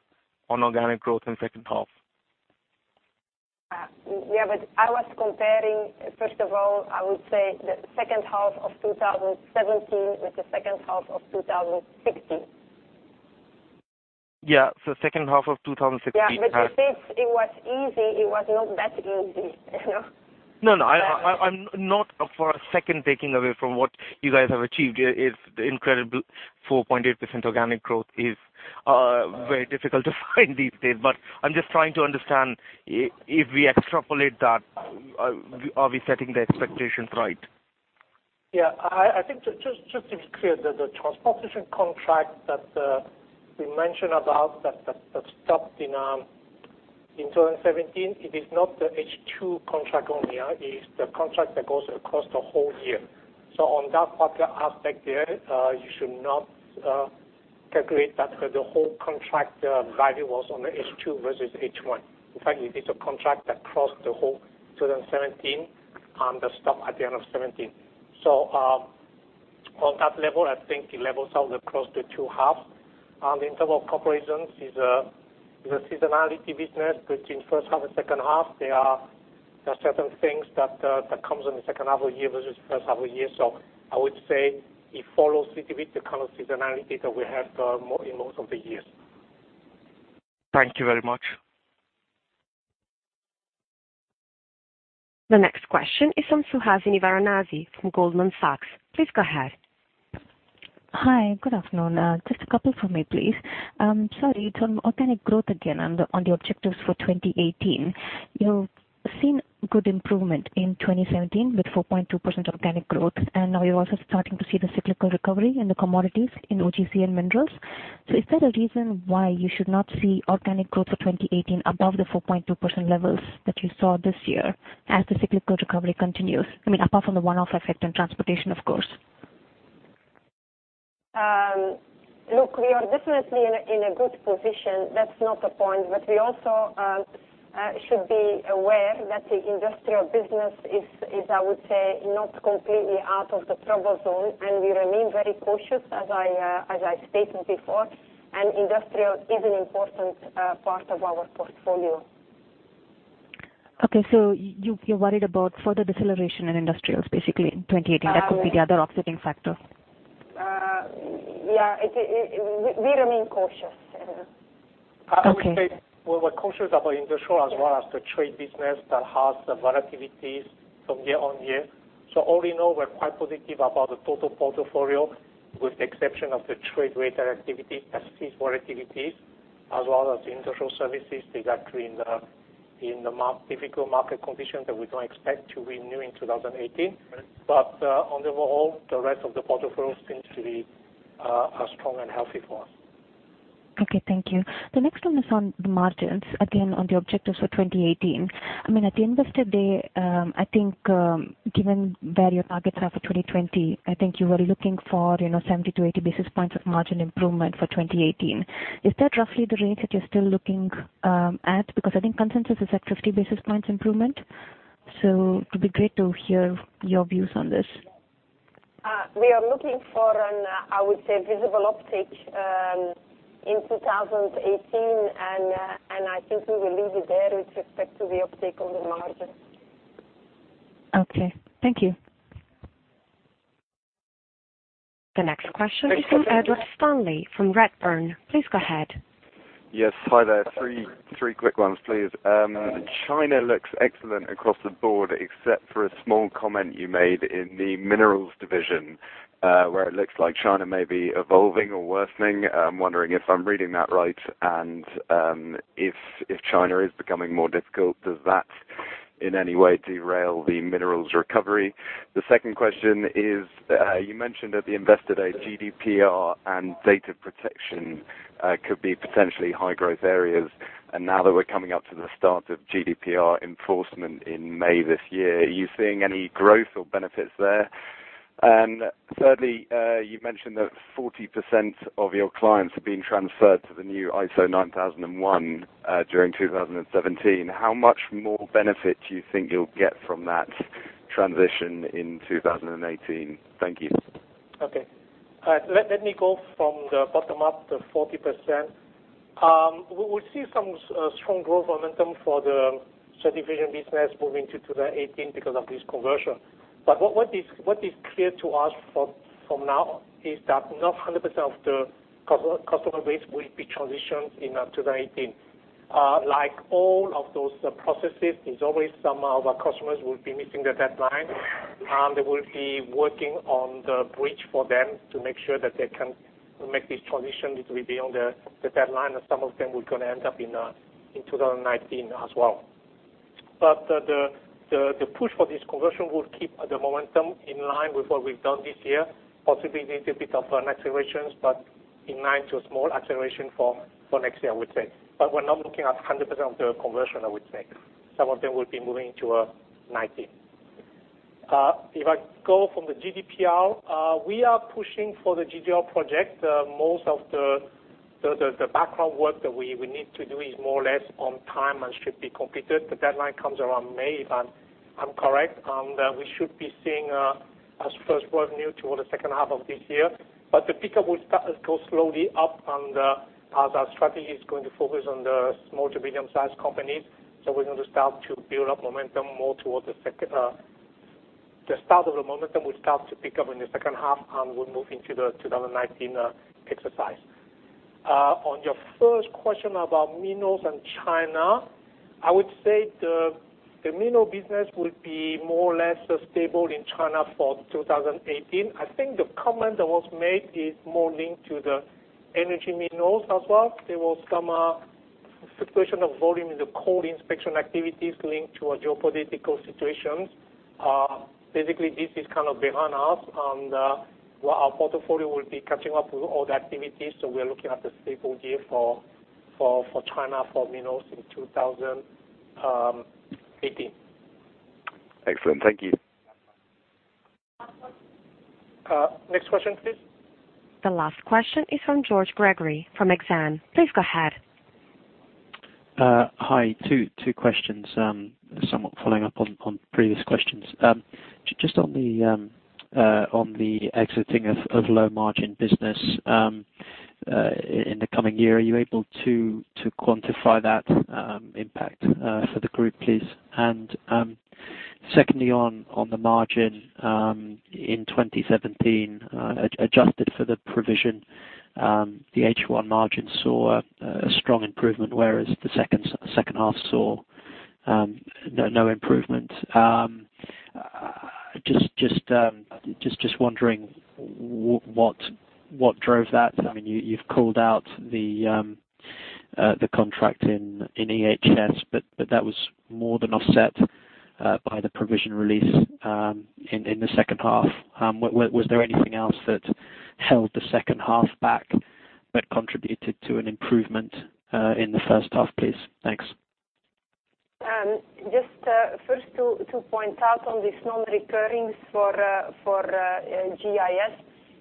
on organic growth in second half. I was comparing, first of all, I would say the second half of 2017 with the second half of 2016. Yeah. second half of 2016. Yeah, since it was easy, it was not that easy. No, I'm not for a second taking away from what you guys have achieved here. The incredible 4.8% organic growth is very difficult to find these days, I'm just trying to understand, if we extrapolate that, are we setting the expectations right? Yeah, I think just to be clear, the Transportation contract that we mentioned about that stopped in 2017, it is not the H2 contract only. It is the contract that goes across the whole year. On that particular aspect there, you should not calculate that the whole contract value was only H2 versus H1. In fact, it is a contract that crossed the whole 2017 and that stopped at the end of 2017. On that level, I think it levels out across the two halves. In terms of operations, it's a seasonality business between first half and second half. There are certain things that comes in the second half of the year versus first half of the year. I would say it follows with the kind of seasonality that we have in most of the years. Thank you very much. The next question is from Suhasini Varanasi from Goldman Sachs. Please go ahead. Hi. Good afternoon. Just a couple from me, please. Sorry, on organic growth again and on the objectives for 2018. You've seen good improvement in 2017 with 4.2% organic growth, and now you're also starting to see the cyclical recovery in the commodities in OGC and minerals. Is there a reason why you should not see organic growth for 2018 above the 4.2% levels that you saw this year as the cyclical recovery continues? I mean, apart from the one-off effect on Transportation, of course. Look, we are definitely in a good position. That's not the point. We also should be aware that the industrial business is, I would say, not completely out of the trouble zone, and we remain very cautious, as I stated before, and industrial is an important part of our portfolio. Okay, you're worried about further deceleration in industrials basically in 2018. That could be the other offsetting factor. Yeah. We remain cautious. Okay. We remain cautious about industrial as well as the trade business that has the volatilities from year-on-year. All in all, we're quite positive about the total portfolio with the exception of the trade-related activity, asset volatilities, as well as the industrial services that are actually in the difficult market condition that we don't expect to renew in 2018. On the whole, the rest of the portfolio seems to be a strong and healthy one. Okay, thank you. The next one is on the margins, again, on the objectives for 2018. I mean, at the Investor Day, I think given where your targets are for 2020, I think you were looking for 70-80 basis points of margin improvement for 2018. Is that roughly the range that you're still looking at? Because I think consensus is at 50 basis points improvement, so it'd be great to hear your views on this. We are looking for an, I would say, visible uptick in 2018, and I think we will leave it there with respect to the uptick on the margins. Okay. Thank you. The next question is from Edward Stanley from Redburn. Please go ahead. Yes. Hi there. Three quick ones, please. China looks excellent across the board except for a small comment you made in the minerals division, where it looks like China may be evolving or worsening. I'm wondering if I'm reading that right and if China is becoming more difficult, does that in any way derail the minerals recovery? The second question is, you mentioned at the Investor Day GDPR and data protection could be potentially high growth areas, and now that we're coming up to the start of GDPR enforcement in May this year, are you seeing any growth or benefits there? Thirdly, you mentioned that 40% of your clients are being transferred to the new ISO 9001 during 2017. How much more benefit do you think you'll get from that transition in 2018? Thank you. Okay. All right. Let me go from the bottom up, the 40%. We will see some strong growth momentum for the certification business moving to 2018 because of this conversion. What is clear to us from now is that not 100% of the customer base will be transitioned in 2018. Like all of those processes, there's always some of our customers who will be missing the deadline, and they will be working on the bridge for them to make sure that they can make this transition. It will be on the deadline, and some of them we're going to end up in 2019 as well. The push for this conversion will keep the momentum in line with what we've done this year, possibly need a bit of an acceleration, but in line to a small acceleration for next year, I would say. We're not looking at 100% of the conversion, I would say. Some of them will be moving to 2019. I go from the GDPR, we are pushing for the GDPR project. Most of the background work that we need to do is more or less on time and should be completed. The deadline comes around May, if I'm correct, and we should be seeing our first revenue toward the second half of this year. The pickup will go slowly up and as our strategy is going to focus on the small to medium-sized companies, we're going to start to build up momentum more towards the start of the momentum, we start to pick up in the second half, and we'll move into the 2019 exercise. On your first question about minerals and China, I would say the mineral business will be more or less stable in China for 2018. I think the comment that was made is more linked to the energy minerals as well. There was some fluctuation of volume in the coal inspection activities linked to a geopolitical situation. Basically, this is kind of behind us, and our portfolio will be catching up with all the activities. We are looking at a stable year for China, for minerals in 2018. Excellent. Thank you. Next question, please. The last question is from George Gregory from Exane. Please go ahead. Hi, two questions, somewhat following up on previous questions. Just on the exiting of low-margin business in the coming year, are you able to quantify that impact for the group, please? Secondly, on the margin in 2017, adjusted for the provision, the H1 margin saw a strong improvement, whereas the second half saw no improvement. Just wondering what drove that. You've called out the contract in EHS, but that was more than offset by the provision release in the second half. Was there anything else that held the second half back but contributed to an improvement in the first half, please? Thanks. Just first to point out on these non-recurring for GIS,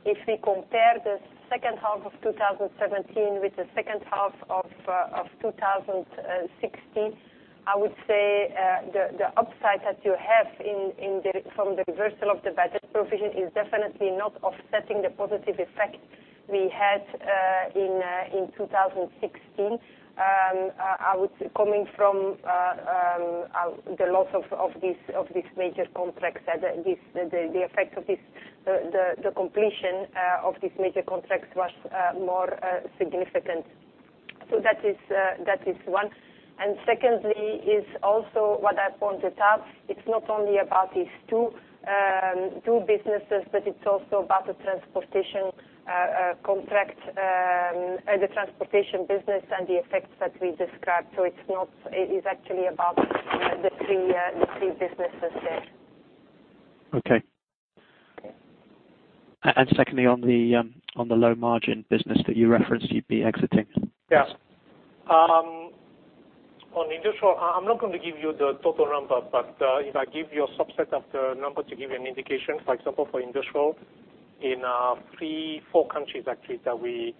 if we compare the second half of 2017 with the second half of 2016, I would say the upside that you have from the reversal of the bad debt provision is definitely not offsetting the positive effect we had in 2016. Coming from the loss of these major contracts, the effect of the completion of these major contracts was more significant. That is one. Secondly is also what I pointed out, it's not only about these two businesses, but it's also about the Transportation business and the effects that we described. It is actually about the three businesses there. Okay. Secondly, on the low-margin business that you referenced you'd be exiting. Yeah. On industrial, I'm not going to give you the total number, but if I give you a subset of the number to give you an indication. For example, for industrial, in three, four countries, actually, that we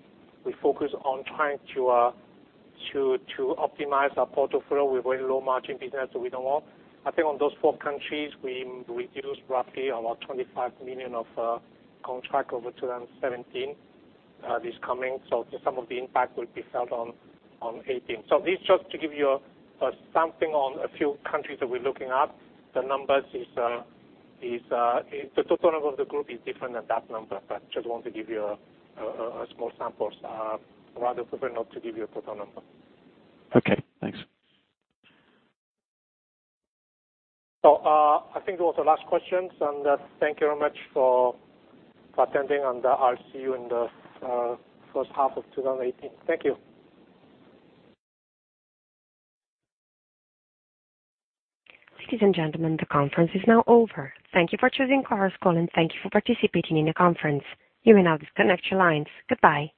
focus on trying to optimize our portfolio with very low-margin business that we don't want. I think on those four countries, we reduce roughly about 25 million of contract over 2017. This coming. Some of the impact will be felt on 2018. This is just to give you a sampling on a few countries that we're looking at. The total number of the group is different than that number, but just want to give you a small sample. I'd rather prefer not to give you a total number. Okay, thanks. I think those are the last questions, and thank you very much for attending, and I'll see you in the first half of 2018. Thank you. Ladies and gentlemen, the conference is now over. Thank you for choosing Chorus Call and thank you for participating in the conference. You may now disconnect your lines. Goodbye.